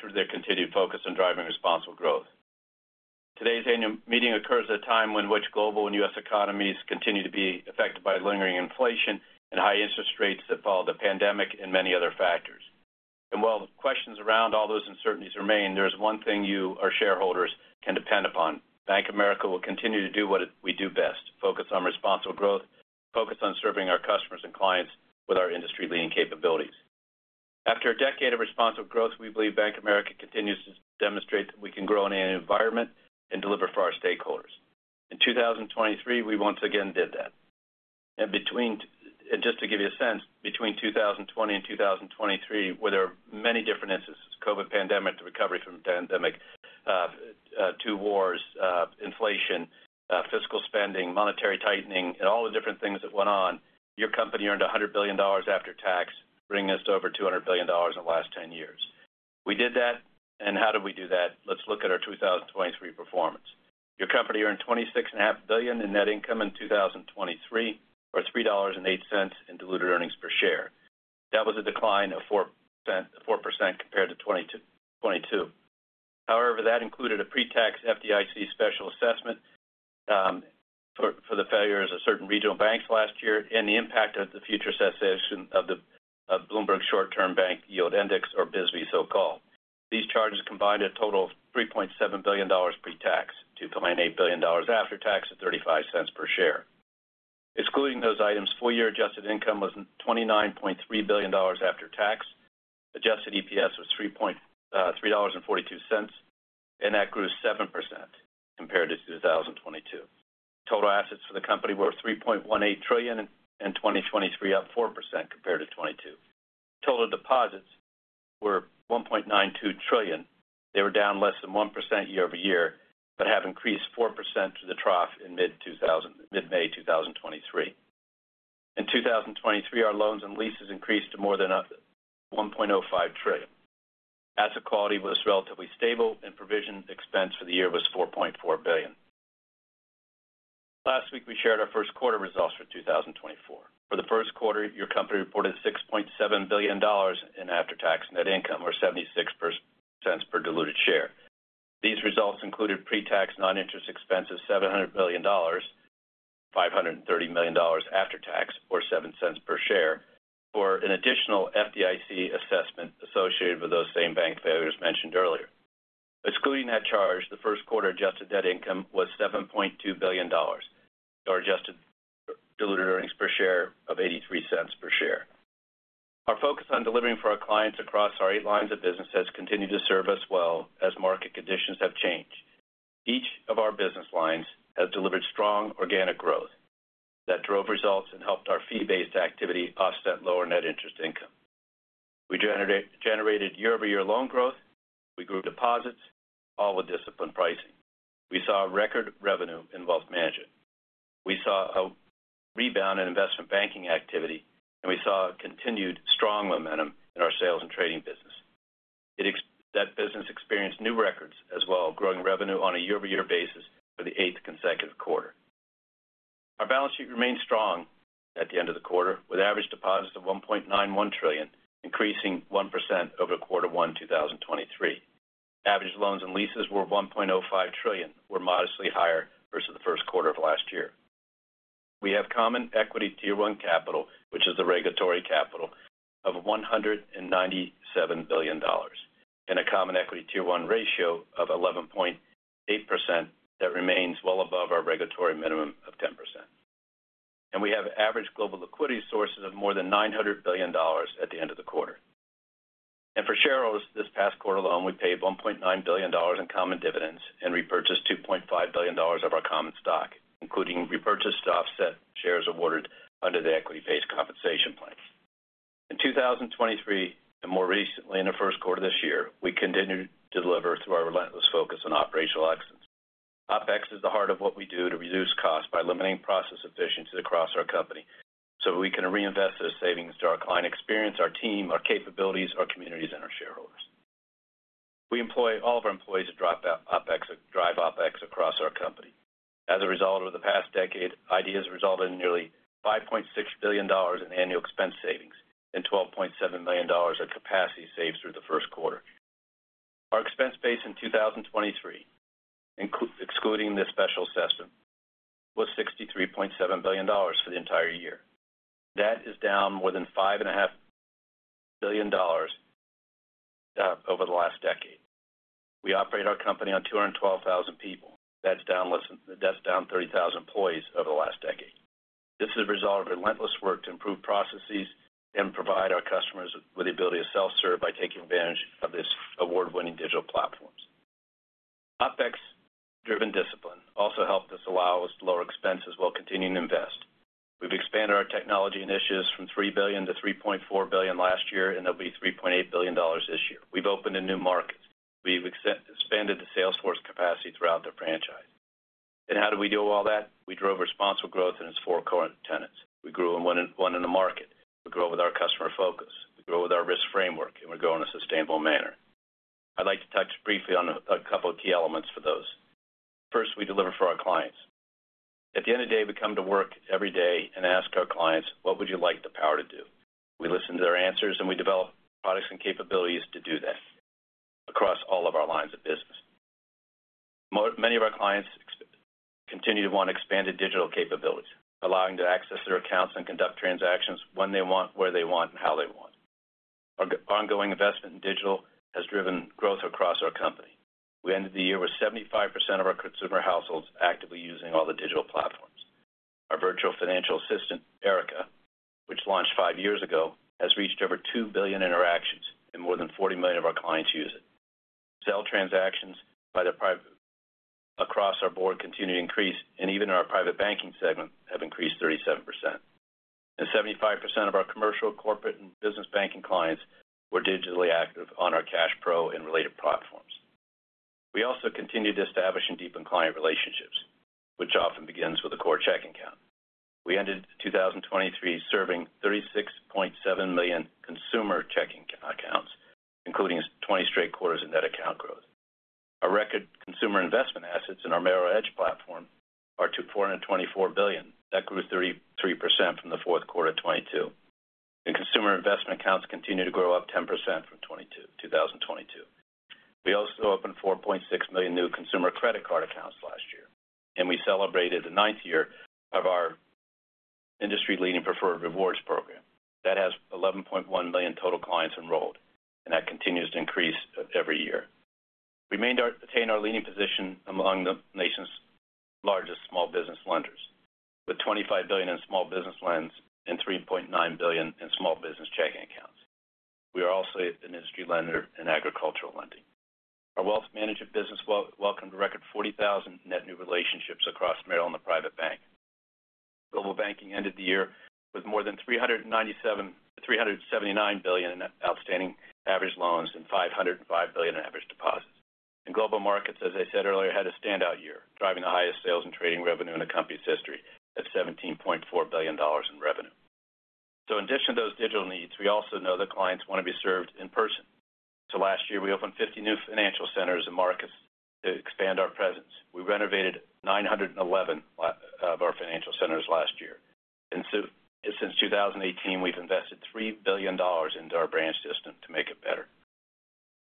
through their continued focus on driving responsible growth. Today's annual meeting occurs at a time when global and U.S. economies continue to be affected by lingering inflation and high interest rates that followed the pandemic and many other factors. And while questions around all those uncertainties remain, there is one thing you, our shareholders, can depend upon. Bank of America will continue to do what we do best: focus on responsible growth, focus on serving our customers and clients with our industry-leading capabilities. After a decade of responsible growth, we believe Bank of America continues to demonstrate that we can grow in an environment and deliver for our stakeholders. In 2023, we once again did that. And just to give you a sense, between 2020 and 2023, where there are many different instances, COVID pandemic, the recovery from the pandemic, two wars, inflation, fiscal spending, monetary tightening, and all the different things that went on, your company earned $100 billion after tax, bringing us to over $200 billion in the last 10 years. We did that. And how did we do that? Let's look at our 2023 performance. Your company earned $26.5 billion in net income in 2023 or $3.08 in diluted earnings per share. That was a decline of 4% compared to 2022. However, that included a pretax FDIC Special Assessment for the failures of certain regional banks last year and the impact of the future assessment of the Bloomberg Short-Term Bank Yield Index, or BSBY, so-called. These charges combined a total of $3.7 billion pre-tax to $2.8 billion after tax at $0.35 per share. Excluding those items, full-year adjusted income was $29.3 billion after tax. Adjusted EPS was $3.03 and $0.42, and that grew 7% compared to 2022. Total assets for the company were $3.18 trillion in 2023, up 4% compared to 2022. Total deposits were $1.92 trillion. They were down less than 1% year-over-year but have increased 4% through the trough in mid-May 2023. In 2023, our loans and leases increased to more than $1.05 trillion. Asset quality was relatively stable, and provision expense for the year was $4.4 billion. Last week, we shared our first quarter results for 2024. For the first quarter, your company reported $6.7 billion in after-tax net income or $0.76 per diluted share. These results included pretax non-interest expenses of $700 billion, $530 million after tax, or $0.07 per share for an additional FDIC assessment associated with those same bank failures mentioned earlier. Excluding that charge, the first quarter adjusted net income was $7.2 billion, our adjusted diluted earnings per share of $0.83 per share. Our focus on delivering for our clients across our eight lines of business has continued to serve us well as market conditions have changed. Each of our business lines has delivered strong organic growth that drove results and helped our fee-based activity offset lower net interest income. We generated year-over-year loan growth. We grew deposits, all with disciplined pricing. We saw record revenue in wealth management. We saw a rebound in investment banking activity, and we saw continued strong momentum in our sales and trading business. That business experienced new records as well, growing revenue on a year-over-year basis for the eighth consecutive quarter. Our balance sheet remained strong at the end of the quarter, with average deposits of $1.91 trillion, increasing 1% over quarter one 2023. Average loans and leases were $1.05 trillion, were modestly higher versus the first quarter of last year. We have Common Equity Tier 1 capital, which is the regulatory capital, of $197 billion and a Common Equity Tier 1 ratio of 11.8% that remains well above our regulatory minimum of 10%. We have average global liquidity sources of more than $900 billion at the end of the quarter. For shareholders, this past quarter alone, we paid $1.9 billion in common dividends and repurchased $2.5 billion of our common stock, including repurchased to offset shares awarded under the equity-based compensation plan. In 2023, and more recently in the first quarter this year, we continue to deliver through our relentless focus on operational excellence. OPEX is the heart of what we do to reduce costs by limiting process efficiency across our company so that we can reinvest those savings to our client experience, our team, our capabilities, our communities, and our shareholders. We employ all of our employees to drive OPEX across our company. As a result of the past decade, OpEx has resulted in nearly $5.6 billion in annual expense savings and $12.7 million of capacity saved through the first quarter. Our expense base in 2023, excluding this special assessment, was $63.7 billion for the entire year. That is down more than $5.5 billion over the last decade. We operate our company on 212,000 people. That's down 30,000 employees over the last decade. This is a result of relentless work to improve processes and provide our customers with the ability to self-serve by taking advantage of these award-winning digital platforms. OPEX-driven discipline also helped us allow us to lower expenses while continuing to invest. We've expanded our technology initiatives from $3 billion to $3.4 billion last year, and there'll be $3.8 billion this year. We've opened a new market. We've expanded the Salesforce capacity throughout the franchise. And how did we do all that? We drove Responsible Growth in its four core tenets. We grew and won in the market. We grew with our customer focus. We grew with our risk framework, and we're growing in a sustainable manner. I'd like to touch briefly on a couple of key elements for those. First, we deliver for our clients. At the end of the day, we come to work every day and ask our clients, "What would you like the power to do?" We listen to their answers, and we develop products and capabilities to do that across all of our lines of business. Many of our clients continue to want expanded digital capabilities, allowing them to access their accounts and conduct transactions when they want, where they want, and how they want. Our ongoing investment in digital has driven growth across our company. We ended the year with 75% of our consumer households actively using all the digital platforms. Our virtual financial assistant, Erica, which launched five years ago, has reached over 2 billion interactions, and more than 40 million of our clients use it. Sales transactions across the board continue to increase, and even in our private banking segment, have increased 37%. 75% of our commercial, corporate, and business banking clients were digitally active on our CashPro and related platforms. We also continue to establish and deepen client relationships, which often begins with a core checking account. We ended 2023 serving 36.7 million consumer checking accounts, including 20 straight quarters in net account growth. Our record consumer investment assets in our Merrill Edge platform are $424 billion. That grew 33% from the fourth quarter of 2022. Consumer investment accounts continue to grow up 10% from 2022. We also opened 4.6 million new consumer credit card accounts last year, and we celebrated the ninth year of our industry-leading preferred rewards program. That has 11.1 million total clients enrolled, and that continues to increase every year. We attained our leading position among the nation's largest small business lenders with $25 billion in small business loans and $3.9 billion in small business checking accounts. We are also an industry lender in agricultural lending. Our wealth management business welcomed a record 40,000 net new relationships across Merrill and the private bank. Global banking ended the year with more than $379 billion in outstanding average loans and $505 billion in average deposits. Global markets, as I said earlier, had a standout year, driving the highest sales and trading revenue in the company's history at $17.4 billion in revenue. So in addition to those digital needs, we also know that clients want to be served in person. Last year, we opened 50 new financial centers and markets to expand our presence. We renovated 911 of our financial centers last year. Since 2018, we've invested $3 billion into our branch system to make it better.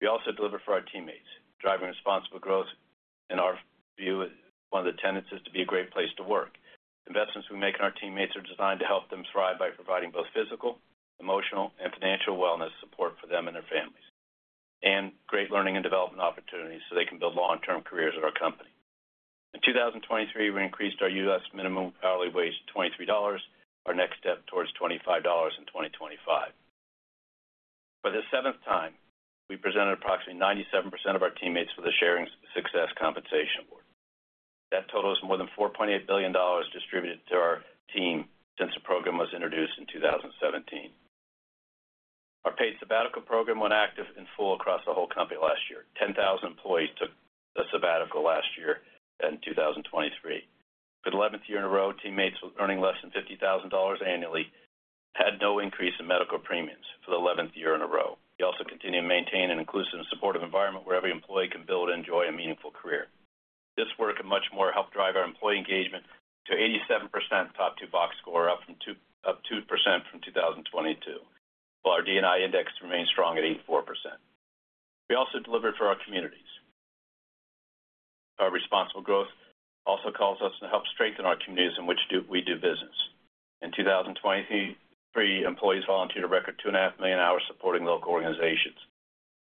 We also deliver for our teammates, driving responsible growth. In our view, one of the tenets is to be a great place to work. Investments we make in our teammates are designed to help them thrive by providing both physical, emotional, and financial wellness support for them and their families, and great learning and development opportunities so they can build long-term careers at our company. In 2023, we increased our U.S. minimum hourly wage to $23, our next step towards $25 in 2025. For the seventh time, we presented approximately 97% of our teammates with a Sharing Success Compensation Award. That total is more than $4.8 billion distributed to our team since the program was introduced in 2017. Our paid sabbatical program went active in full across the whole company last year. 10,000 employees took the sabbatical last year and 2023. For the 11th year in a row, teammates earning less than $50,000 annually had no increase in medical premiums for the 11th year in a row. We also continue to maintain an inclusive and supportive environment where every employee can build, enjoy, and meaningful career. This work and much more helped drive our employee engagement to 87% top-two box score, up 2% from 2022, while our D&I index remained strong at 84%. We also delivered for our communities. Our responsible growth also calls us to help strengthen our communities in which we do business. In 2023, employees volunteered a record 2.5 million hours supporting local organizations.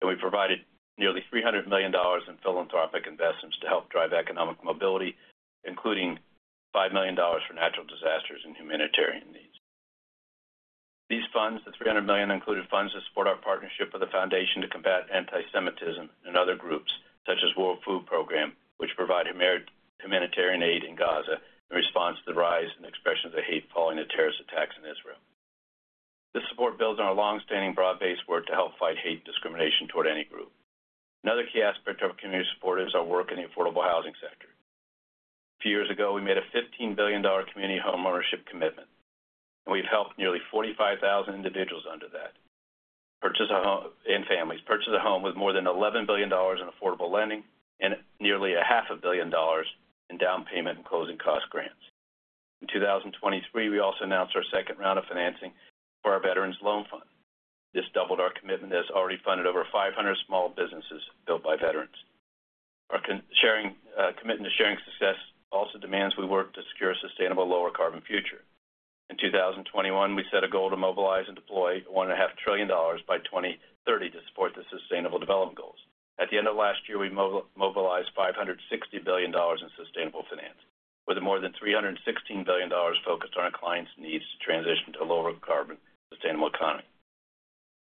We provided nearly $300 million in philanthropic investments to help drive economic mobility, including $5 million for natural disasters and humanitarian needs. These funds, the $300 million, included funds to support our partnership with the Foundation to Combat Antisemitism and other groups, such as the World Food Program, which provide humanitarian aid in Gaza in response to the rise in expressions of hate following the terrorist attacks in Israel. This support builds on our longstanding broad-based work to help fight hate and discrimination toward any group. Another key aspect of our community support is our work in the affordable housing sector. A few years ago, we made a $15 billion community homeownership commitment, and we've helped nearly 45,000 individuals under that and families purchase a home with more than $11 billion in affordable lending and nearly $500 million in down payment and closing cost grants. In 2023, we also announced our second round of financing for our Veteran Loan Fund. This doubled our commitment that has already funded over 500 small businesses built by veterans. Our commitment to sharing success also demands we work to secure a sustainable, lower-carbon future. In 2021, we set a goal to mobilize and deploy $1.5 trillion by 2030 to support the Sustainable Development Goals. At the end of last year, we mobilized $560 billion in sustainable finance, with more than $316 billion focused on our clients' needs to transition to a lower-carbon, sustainable economy.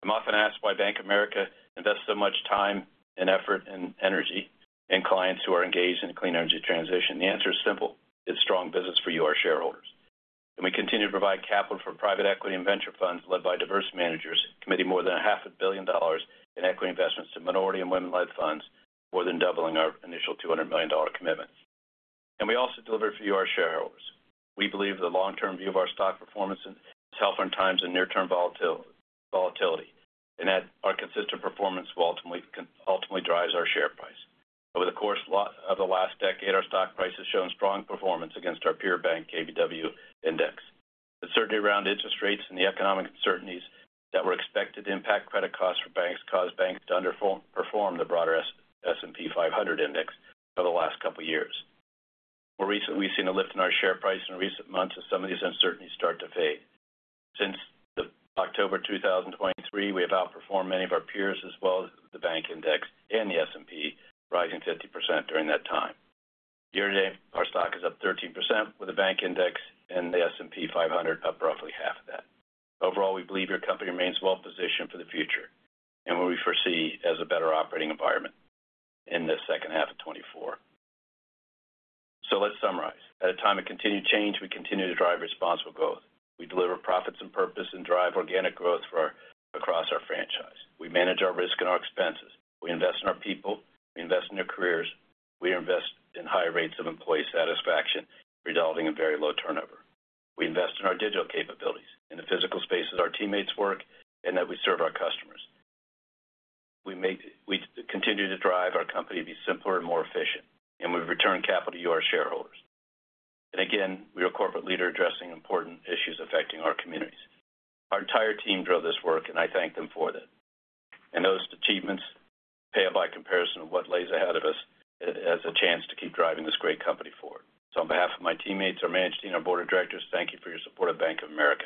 I'm often asked why Bank of America invests so much time and effort and energy in clients who are engaged in the clean energy transition. The answer is simple. It's strong business for you, our shareholders. We continue to provide capital for private equity and venture funds led by diverse managers, committing more than $500 million in equity investments to minority and women-led funds, more than doubling our initial $200 million commitments. We also deliver for you, our shareholders. We believe the long-term view of our stock performance is healthy in times of near-term volatility, and that our consistent performance will ultimately drive our share price. Over the course of the last decade, our stock price has shown strong performance against our peer bank KBW Index. The certainty around interest rates and the economic uncertainties that were expected to impact credit costs for banks caused banks to underperform the broader S&P 500 index over the last couple of years. More recently, we've seen a lift in our share price in recent months as some of these uncertainties start to fade. Since October 2023, we have outperformed many of our peers as well as the bank index and the S&P, rising 50% during that time. Year to date, our stock is up 13%, with the bank index and the S&P 500 up roughly half of that. Overall, we believe your company remains well-positioned for the future and what we foresee as a better operating environment in the second half of 2024. Let's summarize. At a time of continued change, we continue to drive Responsible Growth. We deliver profits and purpose and drive organic growth across our franchise. We manage our risk and our expenses. We invest in our people. We invest in their careers. We invest in high rates of employee satisfaction, resulting in very low turnover. We invest in our digital capabilities, in the physical spaces our teammates work, and that we serve our customers. We continue to drive our company to be simpler and more efficient, and we return capital to you, our shareholders. Again, we are a corporate leader addressing important issues affecting our communities. Our entire team drove this work, and I thank them for that. Those achievements pale by comparison to what lies ahead of us as a chance to keep driving this great company forward. On behalf of my teammates, our management team, our board of directors, thank you for your support of Bank of America.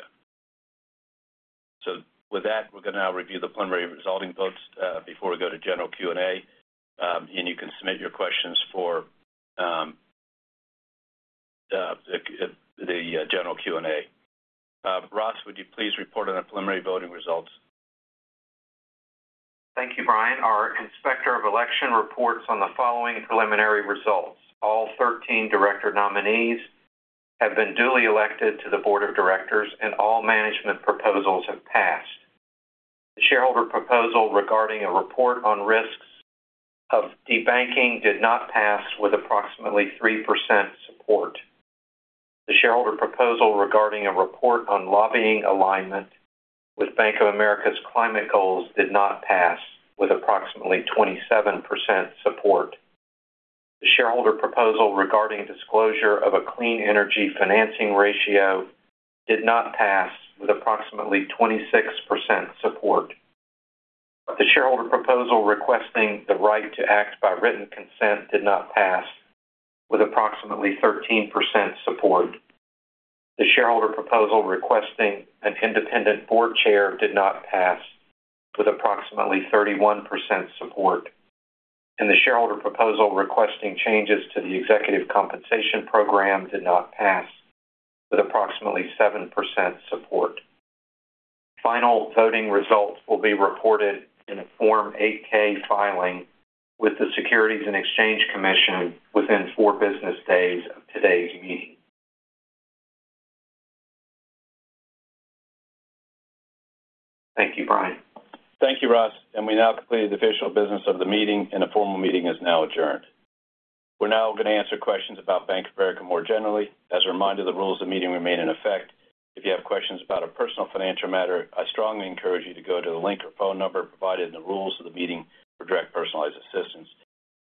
With that, we're going to now review the preliminary resulting votes before we go to general Q&A, and you can submit your questions for the general Q&A. Ross, would you please report on the preliminary voting results? Thank you, Brian. Our inspector of election reports on the following preliminary results. All 13 director nominees have been duly elected to the board of directors, and all management proposals have passed. The shareholder proposal regarding a report on risks of debanking did not pass with approximately 3% support. The shareholder proposal regarding a report on lobbying alignment with Bank of America's climate goals did not pass with approximately 27% support. The shareholder proposal regarding disclosure of a clean energy financing ratio did not pass with approximately 26% support. The shareholder proposal requesting the right to act by written consent did not pass with approximately 13% support. The shareholder proposal requesting an independent board chair did not pass with approximately 31% support. The shareholder proposal requesting changes to the executive compensation program did not pass with approximately 7% support. Final voting results will be reported in a Form 8-K filing with the Securities and Exchange Commission within four business days of today's meeting. Thank you, Brian. Thank you, Ross. We now completed the official business of the meeting, and a formal meeting is now adjourned. We're now going to answer questions about Bank of America more generally. As a reminder, the rules of the meeting remain in effect. If you have questions about a personal financial matter, I strongly encourage you to go to the link or phone number provided in the rules of the meeting for direct personalized assistance.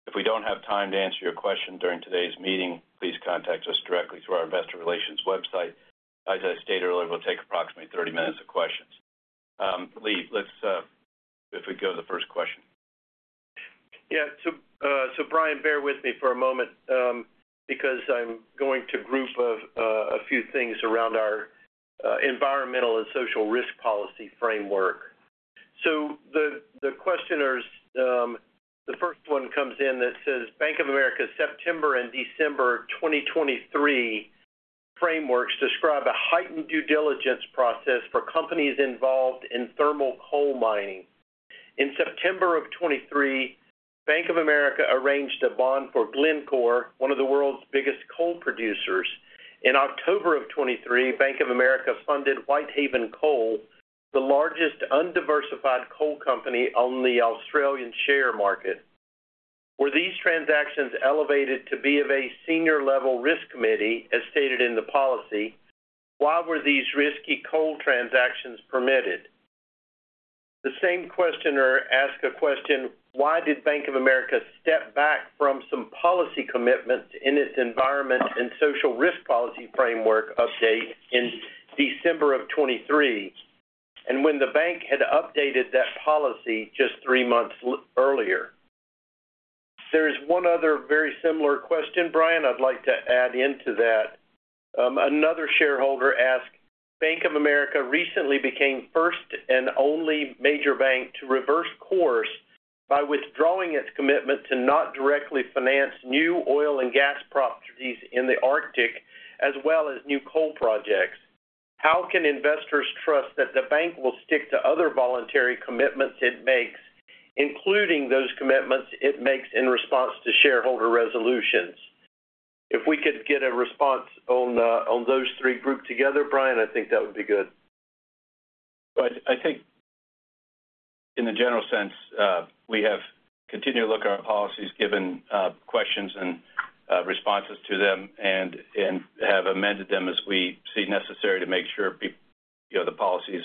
If we don't have time to answer your question during today's meeting, please contact us directly through our investor relations website. As I stated earlier, we'll take approximately 30 minutes of questions. Lee, if we go to the first question. Yeah. So Brian, bear with me for a moment because I'm going to group a few things around our environmental and social risk policy framework. The questioners, the first one comes in that says, "Bank of America's September and December 2023 frameworks describe a heightened due diligence process for companies involved in thermal coal mining. In September of 2023, Bank of America arranged a bond for Glencore, one of the world's biggest coal producers. In October of 2023, Bank of America funded Whitehaven Coal, the largest undiversified coal company on the Australian share market. Were these transactions elevated to be of a senior-level risk committee, as stated in the policy, why were these risky coal transactions permitted?" The same questioner asked a question, "Why did Bank of America step back from some policy commitments in its Environmental and Social Risk Policy Framework update in December of 2023 and when the bank had updated that policy just three months earlier?" There is one other very similar question, Brian, I'd like to add into that. Another shareholder asked, "Bank of America recently became first and only major bank to reverse course by withdrawing its commitment to not directly finance new oil and gas properties in the Arctic as well as new coal projects. How can investors trust that the bank will stick to other voluntary commitments it makes, including those commitments it makes in response to shareholder resolutions? If we could get a response on those three grouped together, Brian, I think that would be good. Well, I think in the general sense, we have continued to look at our policies, given questions and responses to them, and have amended them as we see necessary to make sure the policies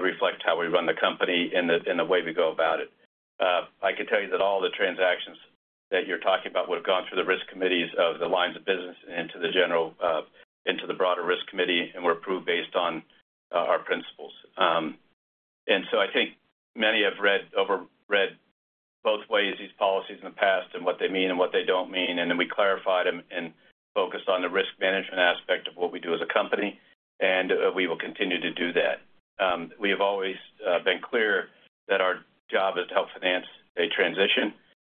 reflect how we run the company and the way we go about it. I can tell you that all the transactions that you're talking about would have gone through the risk committees of the lines of business and into the broader risk committee and were approved based on our principles. And so I think many have read both ways these policies in the past and what they mean and what they don't mean. And then we clarified them and focused on the risk management aspect of what we do as a company, and we will continue to do that. We have always been clear that our job is to help finance a transition,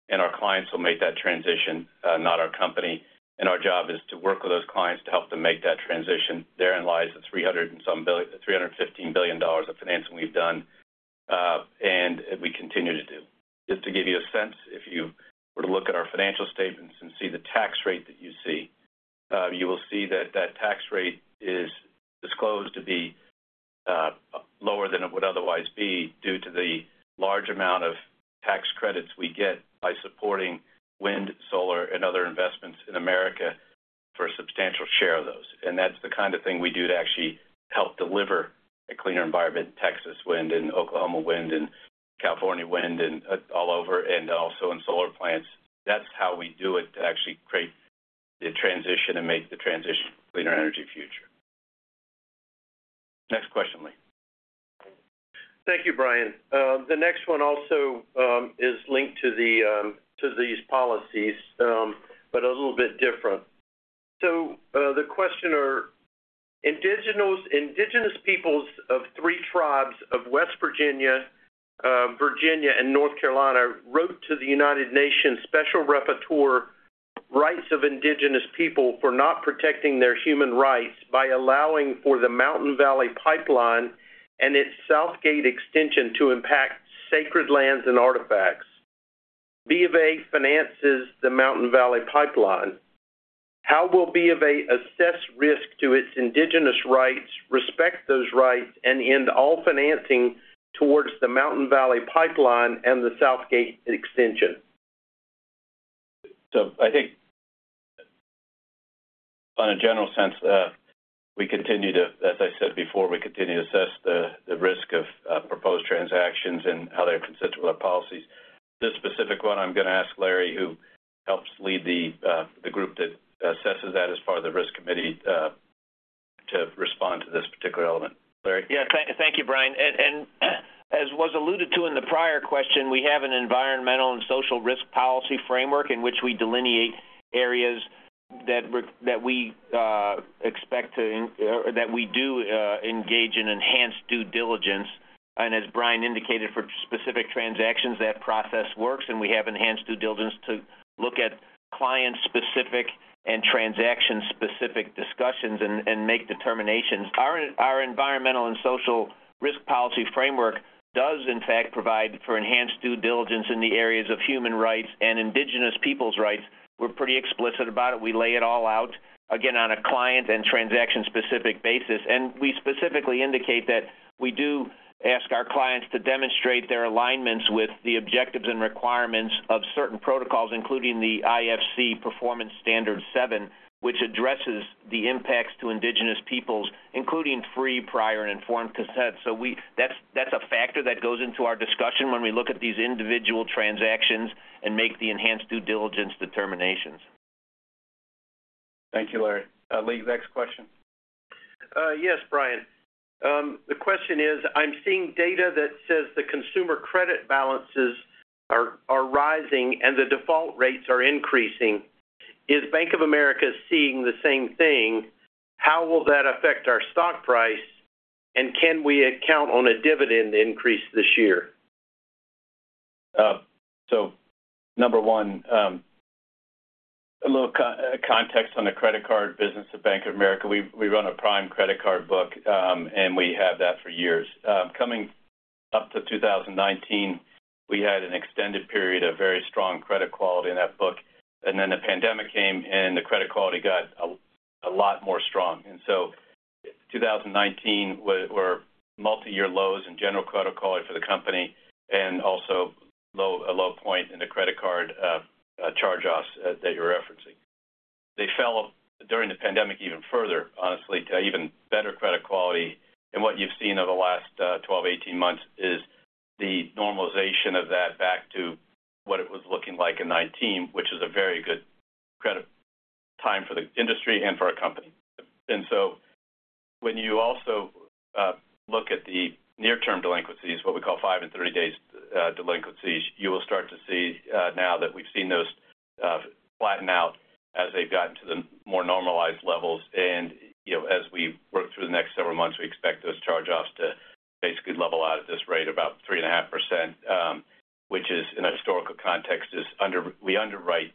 and our clients will make that transition, not our company. Our job is to work with those clients to help them make that transition. Therein lies the $315 billion of financing we've done, and we continue to do. Just to give you a sense, if you were to look at our financial statements and see the tax rate that you see, you will see that that tax rate is disclosed to be lower than it would otherwise be due to the large amount of tax credits we get by supporting wind, solar, and other investments in America for a substantial share of those. That's the kind of thing we do to actually help deliver a cleaner environment in Texas wind and Oklahoma wind and California wind and all over and also in solar plants. That's how we do it to actually create the transition and make the transition to a cleaner energy future. Next question, Lee. Thank you, Brian. The next one also is linked to these policies but a little bit different. So the questioner, "Indigenous Peoples of three tribes of West Virginia, Virginia, and North Carolina wrote to the United Nations Special Rapporteur Rights of Indigenous People for not protecting their human rights by allowing for the Mountain Valley Pipeline and its Southgate Extension to impact sacred lands and artifacts. B of A finances the Mountain Valley Pipeline. How will B of A assess risk to its Indigenous rights, respect those rights, and end all financing towards the Mountain Valley Pipeline and the Southgate Extension? I think in a general sense, we continue to, as I said before, we continue to assess the risk of proposed transactions and how they're consistent with our policies. This specific one, I'm going to ask Larry, who helps lead the group that assesses that as part of the risk committee, to respond to this particular element. Larry? Yeah. Thank you, Brian. As was alluded to in the prior question, we have an environmental and social risk policy framework in which we delineate areas that we expect to engage in enhanced due diligence. As Brian indicated, for specific transactions, that process works, and we have enhanced due diligence to look at client-specific and transaction-specific discussions and make determinations. Our environmental and social risk policy framework does, in fact, provide for enhanced due diligence in the areas of human rights and Indigenous people's rights. We're pretty explicit about it. We lay it all out, again, on a client and transaction-specific basis. We specifically indicate that we do ask our clients to demonstrate their alignments with the objectives and requirements of certain protocols, including the IFC Performance Standard 7, which addresses the impacts to Indigenous Peoples, including free, prior, and informed consent. That's a factor that goes into our discussion when we look at these individual transactions and make the enhanced due diligence determinations. Thank you, Larry. Lee, next question. Yes, Brian. The question is, "I'm seeing data that says the consumer credit balances are rising and the default rates are increasing. Is Bank of America seeing the same thing? How will that affect our stock price, and can we account on a dividend increase this year? So number one, a little context on the credit card business at Bank of America. We run a prime credit card book, and we have that for years. Coming up to 2019, we had an extended period of very strong credit quality in that book. Then the pandemic came, and the credit quality got a lot more strong. And so 2019 were multi-year lows in general credit quality for the company and also a low point in the credit card charge-offs that you're referencing. They fell during the pandemic even further, honestly, to even better credit quality. And what you've seen over the last 12, 18 months is the normalization of that back to what it was looking like in 2019, which is a very good time for the industry and for our company. So when you also look at the near-term delinquencies, what we call 5- and 30-day delinquencies, you will start to see now that we've seen those flatten out as they've gotten to the more normalized levels. As we work through the next several months, we expect those charge-offs to basically level out at this rate of about 3.5%, which in a historical context is under we underwrite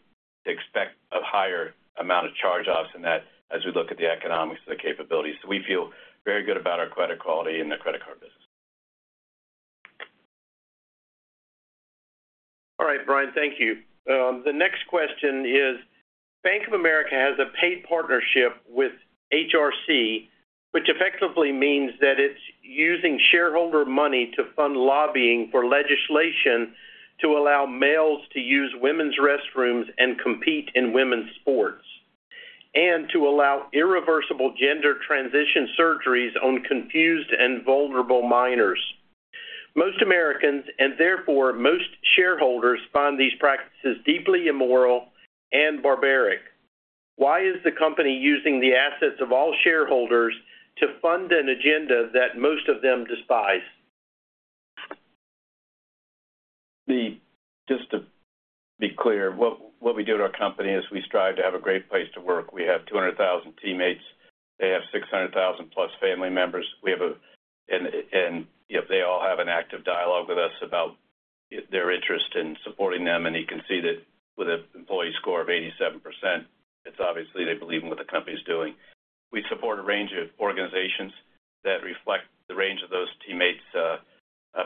to expect a higher amount of charge-offs in that as we look at the economics of the capabilities. So we feel very good about our credit quality and the credit card business. All right, Brian. Thank you. The next question is, "Bank of America has a paid partnership with HRC, which effectively means that it's using shareholder money to fund lobbying for legislation to allow males to use women's restrooms and compete in women's sports and to allow irreversible gender transition surgeries on confused and vulnerable minors. Most Americans, and therefore most shareholders, find these practices deeply immoral and barbaric. Why is the company using the assets of all shareholders to fund an agenda that most of them despise? Just to be clear, what we do at our company is we strive to have a great place to work. We have 200,000 teammates. They have 600,000-plus family members. And they all have an active dialogue with us about their interest in supporting them. And you can see that with an employee score of 87%, it's obviously they believe in what the company's doing. We support a range of organizations that reflect the range of those teammates'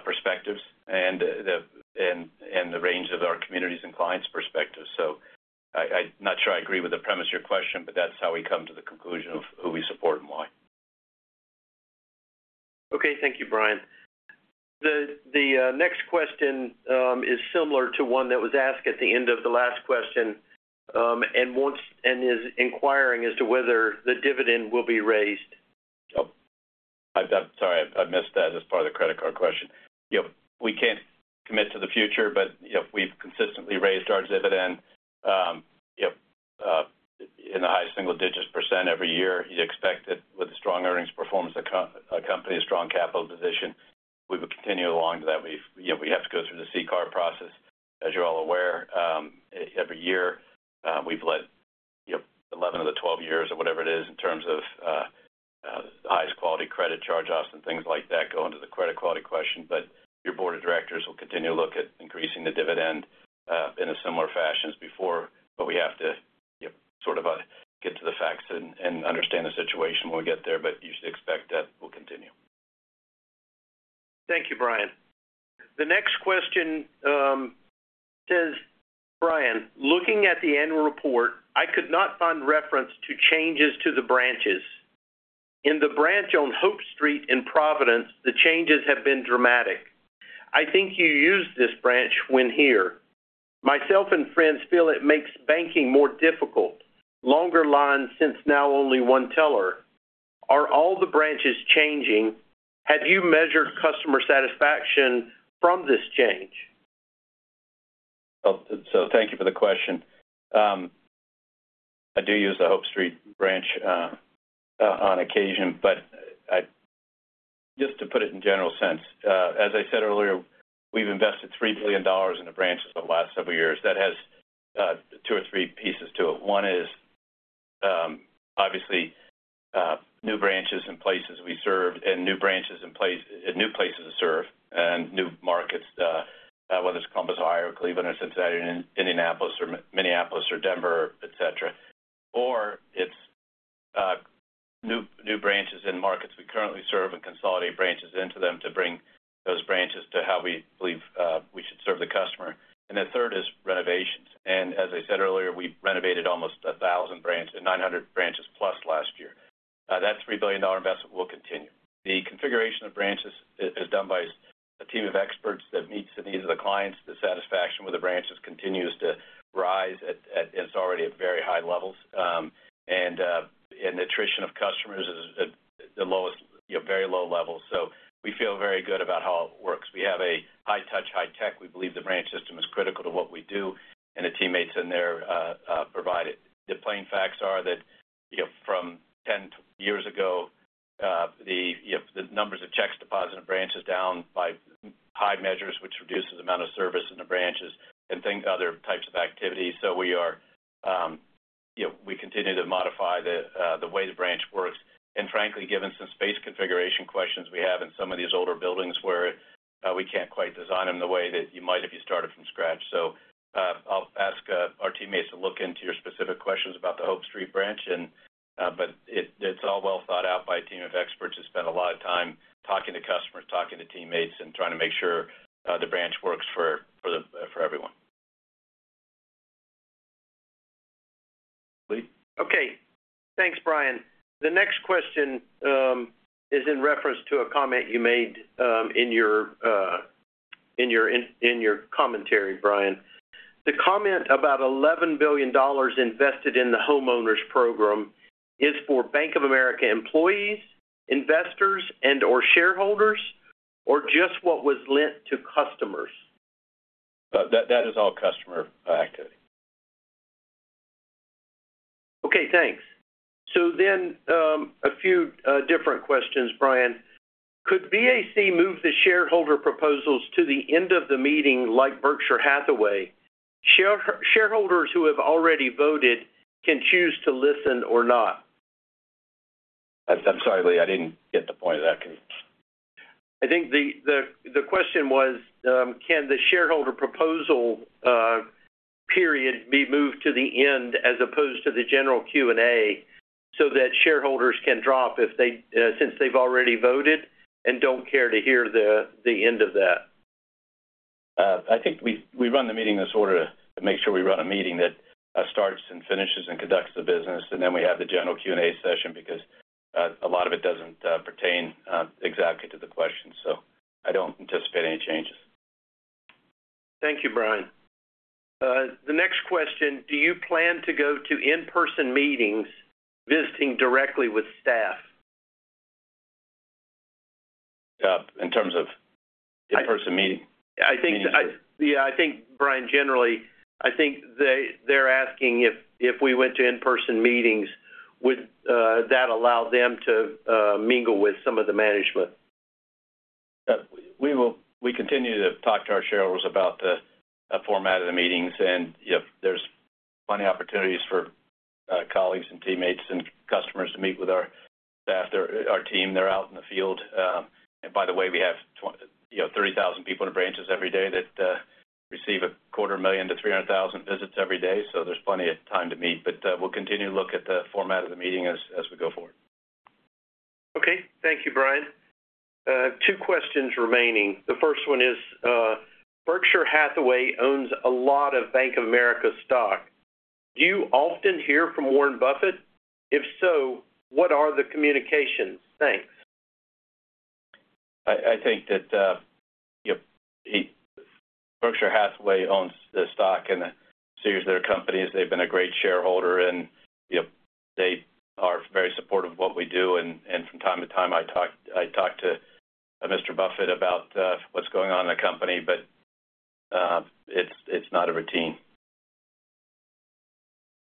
perspectives and the range of our communities and clients' perspectives. So I'm not sure I agree with the premise of your question, but that's how we come to the conclusion of who we support and why. Okay. Thank you, Brian. The next question is similar to one that was asked at the end of the last question and is inquiring as to whether the dividend will be raised. Oh, sorry. I missed that as part of the credit card question. We can't commit to the future, but if we've consistently raised our dividend in the high single-digit % every year, you'd expect that with a strong earnings performance of a company, a strong capital position, we would continue along to that. We have to go through the CCAR process, as you're all aware, every year. We've let 11 of the 12 years or whatever it is in terms of the highest quality credit charge-offs and things like that go into the credit quality question. But your board of directors will continue to look at increasing the dividend in a similar fashion as before. But we have to sort of get to the facts and understand the situation when we get there. But you should expect that will continue. Thank you, Brian. The next question says, "Brian, looking at the annual report, I could not find reference to changes to the branches. In the branch on Hope Street in Providence, the changes have been dramatic. I think you used this branch when here. Myself and friends feel it makes banking more difficult. Longer lines since now only one teller. Are all the branches changing? Have you measured customer satisfaction from this change? Thank you for the question. I do use the Hope Street branch on occasion. But just to put it in general sense, as I said earlier, we've invested $3 billion in the branches over the last several years. That has two or three pieces to it. One is obviously new branches in places we serve and new places to serve and new markets, whether it's Columbus, Ohio, Cleveland, or Cincinnati, or Indianapolis, or Minneapolis, or Denver, etc. Or it's new branches in markets we currently serve and consolidate branches into them to bring those branches to how we believe we should serve the customer. And the third is renovations. And as I said earlier, we've renovated almost 900 branches plus last year. That $3 billion investment will continue. The configuration of branches is done by a team of experts that meets the needs of the clients. The satisfaction with the branches continues to rise, and it's already at very high levels. Attrition of customers is at very low levels. We feel very good about how it works. We have a high-touch, high-tech. We believe the branch system is critical to what we do, and the teammates in there provide it. The plain facts are that from 10 years ago, the numbers of checks deposited in branches down by high measures, which reduces the amount of service in the branches and other types of activities. We continue to modify the way the branch works. Frankly, given some space configuration questions we have in some of these older buildings where we can't quite design them the way that you might if you started from scratch. I'll ask our teammates to look into your specific questions about the Hope Street, Providence branch. But it's all well thought out by a team of experts who spend a lot of time talking to customers, talking to teammates, and trying to make sure the branch works for everyone. Lee. Okay. Thanks, Brian. The next question is in reference to a comment you made in your commentary, Brian. The comment about $11 billion invested in the homeowners program is for Bank of America employees, investors, and/or shareholders, or just what was lent to customers? That is all customer activity. Okay. Thanks. A few different questions, Brian. "Could BAC move the shareholder proposals to the end of the meeting like Berkshire Hathaway? Shareholders who have already voted can choose to listen or not. I'm sorry, Lee. I didn't get the point of that. I think the question was, "Can the shareholder proposal period be moved to the end as opposed to the general Q&A so that shareholders can drop since they've already voted and don't care to hear the end of that? I think we run the meeting this order to make sure we run a meeting that starts and finishes and conducts the business. And then we have the general Q&A session because a lot of it doesn't pertain exactly to the questions. So I don't anticipate any changes. Thank you, Brian. The next question, "Do you plan to go to in-person meetings visiting directly with staff? In terms of in-person meetings? Yeah. I think, Brian, generally, I think they're asking if we went to in-person meetings, would that allow them to mingle with some of the management? We continue to talk to our shareholders about the format of the meetings. There's plenty of opportunities for colleagues and teammates and customers to meet with our staff, our team. They're out in the field. By the way, we have 30,000 people in branches every day that receive 250,000-300,000 visits every day. There's plenty of time to meet. We'll continue to look at the format of the meeting as we go forward. Okay. Thank you, Brian. Two questions remaining. The first one is, "Berkshire Hathaway owns a lot of Bank of America stock. Do you often hear from Warren Buffett? If so, what are the communications? Thanks. I think that Berkshire Hathaway owns the stock and sees their companies. They've been a great shareholder, and they are very supportive of what we do. From time to time, I talk to Mr. Buffett about what's going on in the company, but it's not a routine.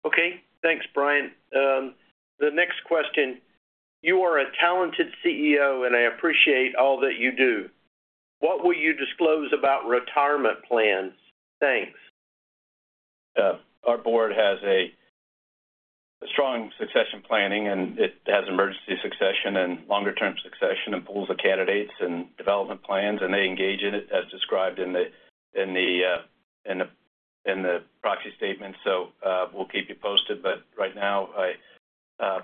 Okay. Thanks, Brian. The next question, "You are a talented CEO, and I appreciate all that you do. What will you disclose about retirement plans? Thanks. Our board has a strong succession planning, and it has emergency succession and longer-term succession and pools of candidates and development plans. They engage in it as described in the proxy statement. So we'll keep you posted. But right now, I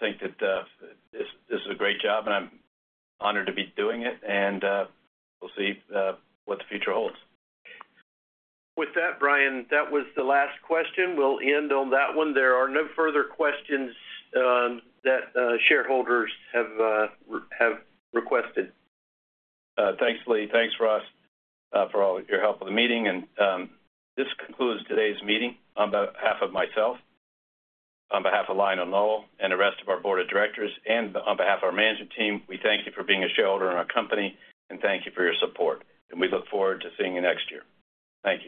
think that this is a great job, and I'm honored to be doing it. And we'll see what the future holds. With that, Brian, that was the last question. We'll end on that one. There are no further questions that shareholders have requested. Thanks, Lee. Thanks, Ross, for all your help with the meeting. This concludes today's meeting on behalf of myself, on behalf of Lionel Nowell, and the rest of our board of directors, and on behalf of our management team. We thank you for being a shareholder in our company, and thank you for your support. We look forward to seeing you next year. Thank you.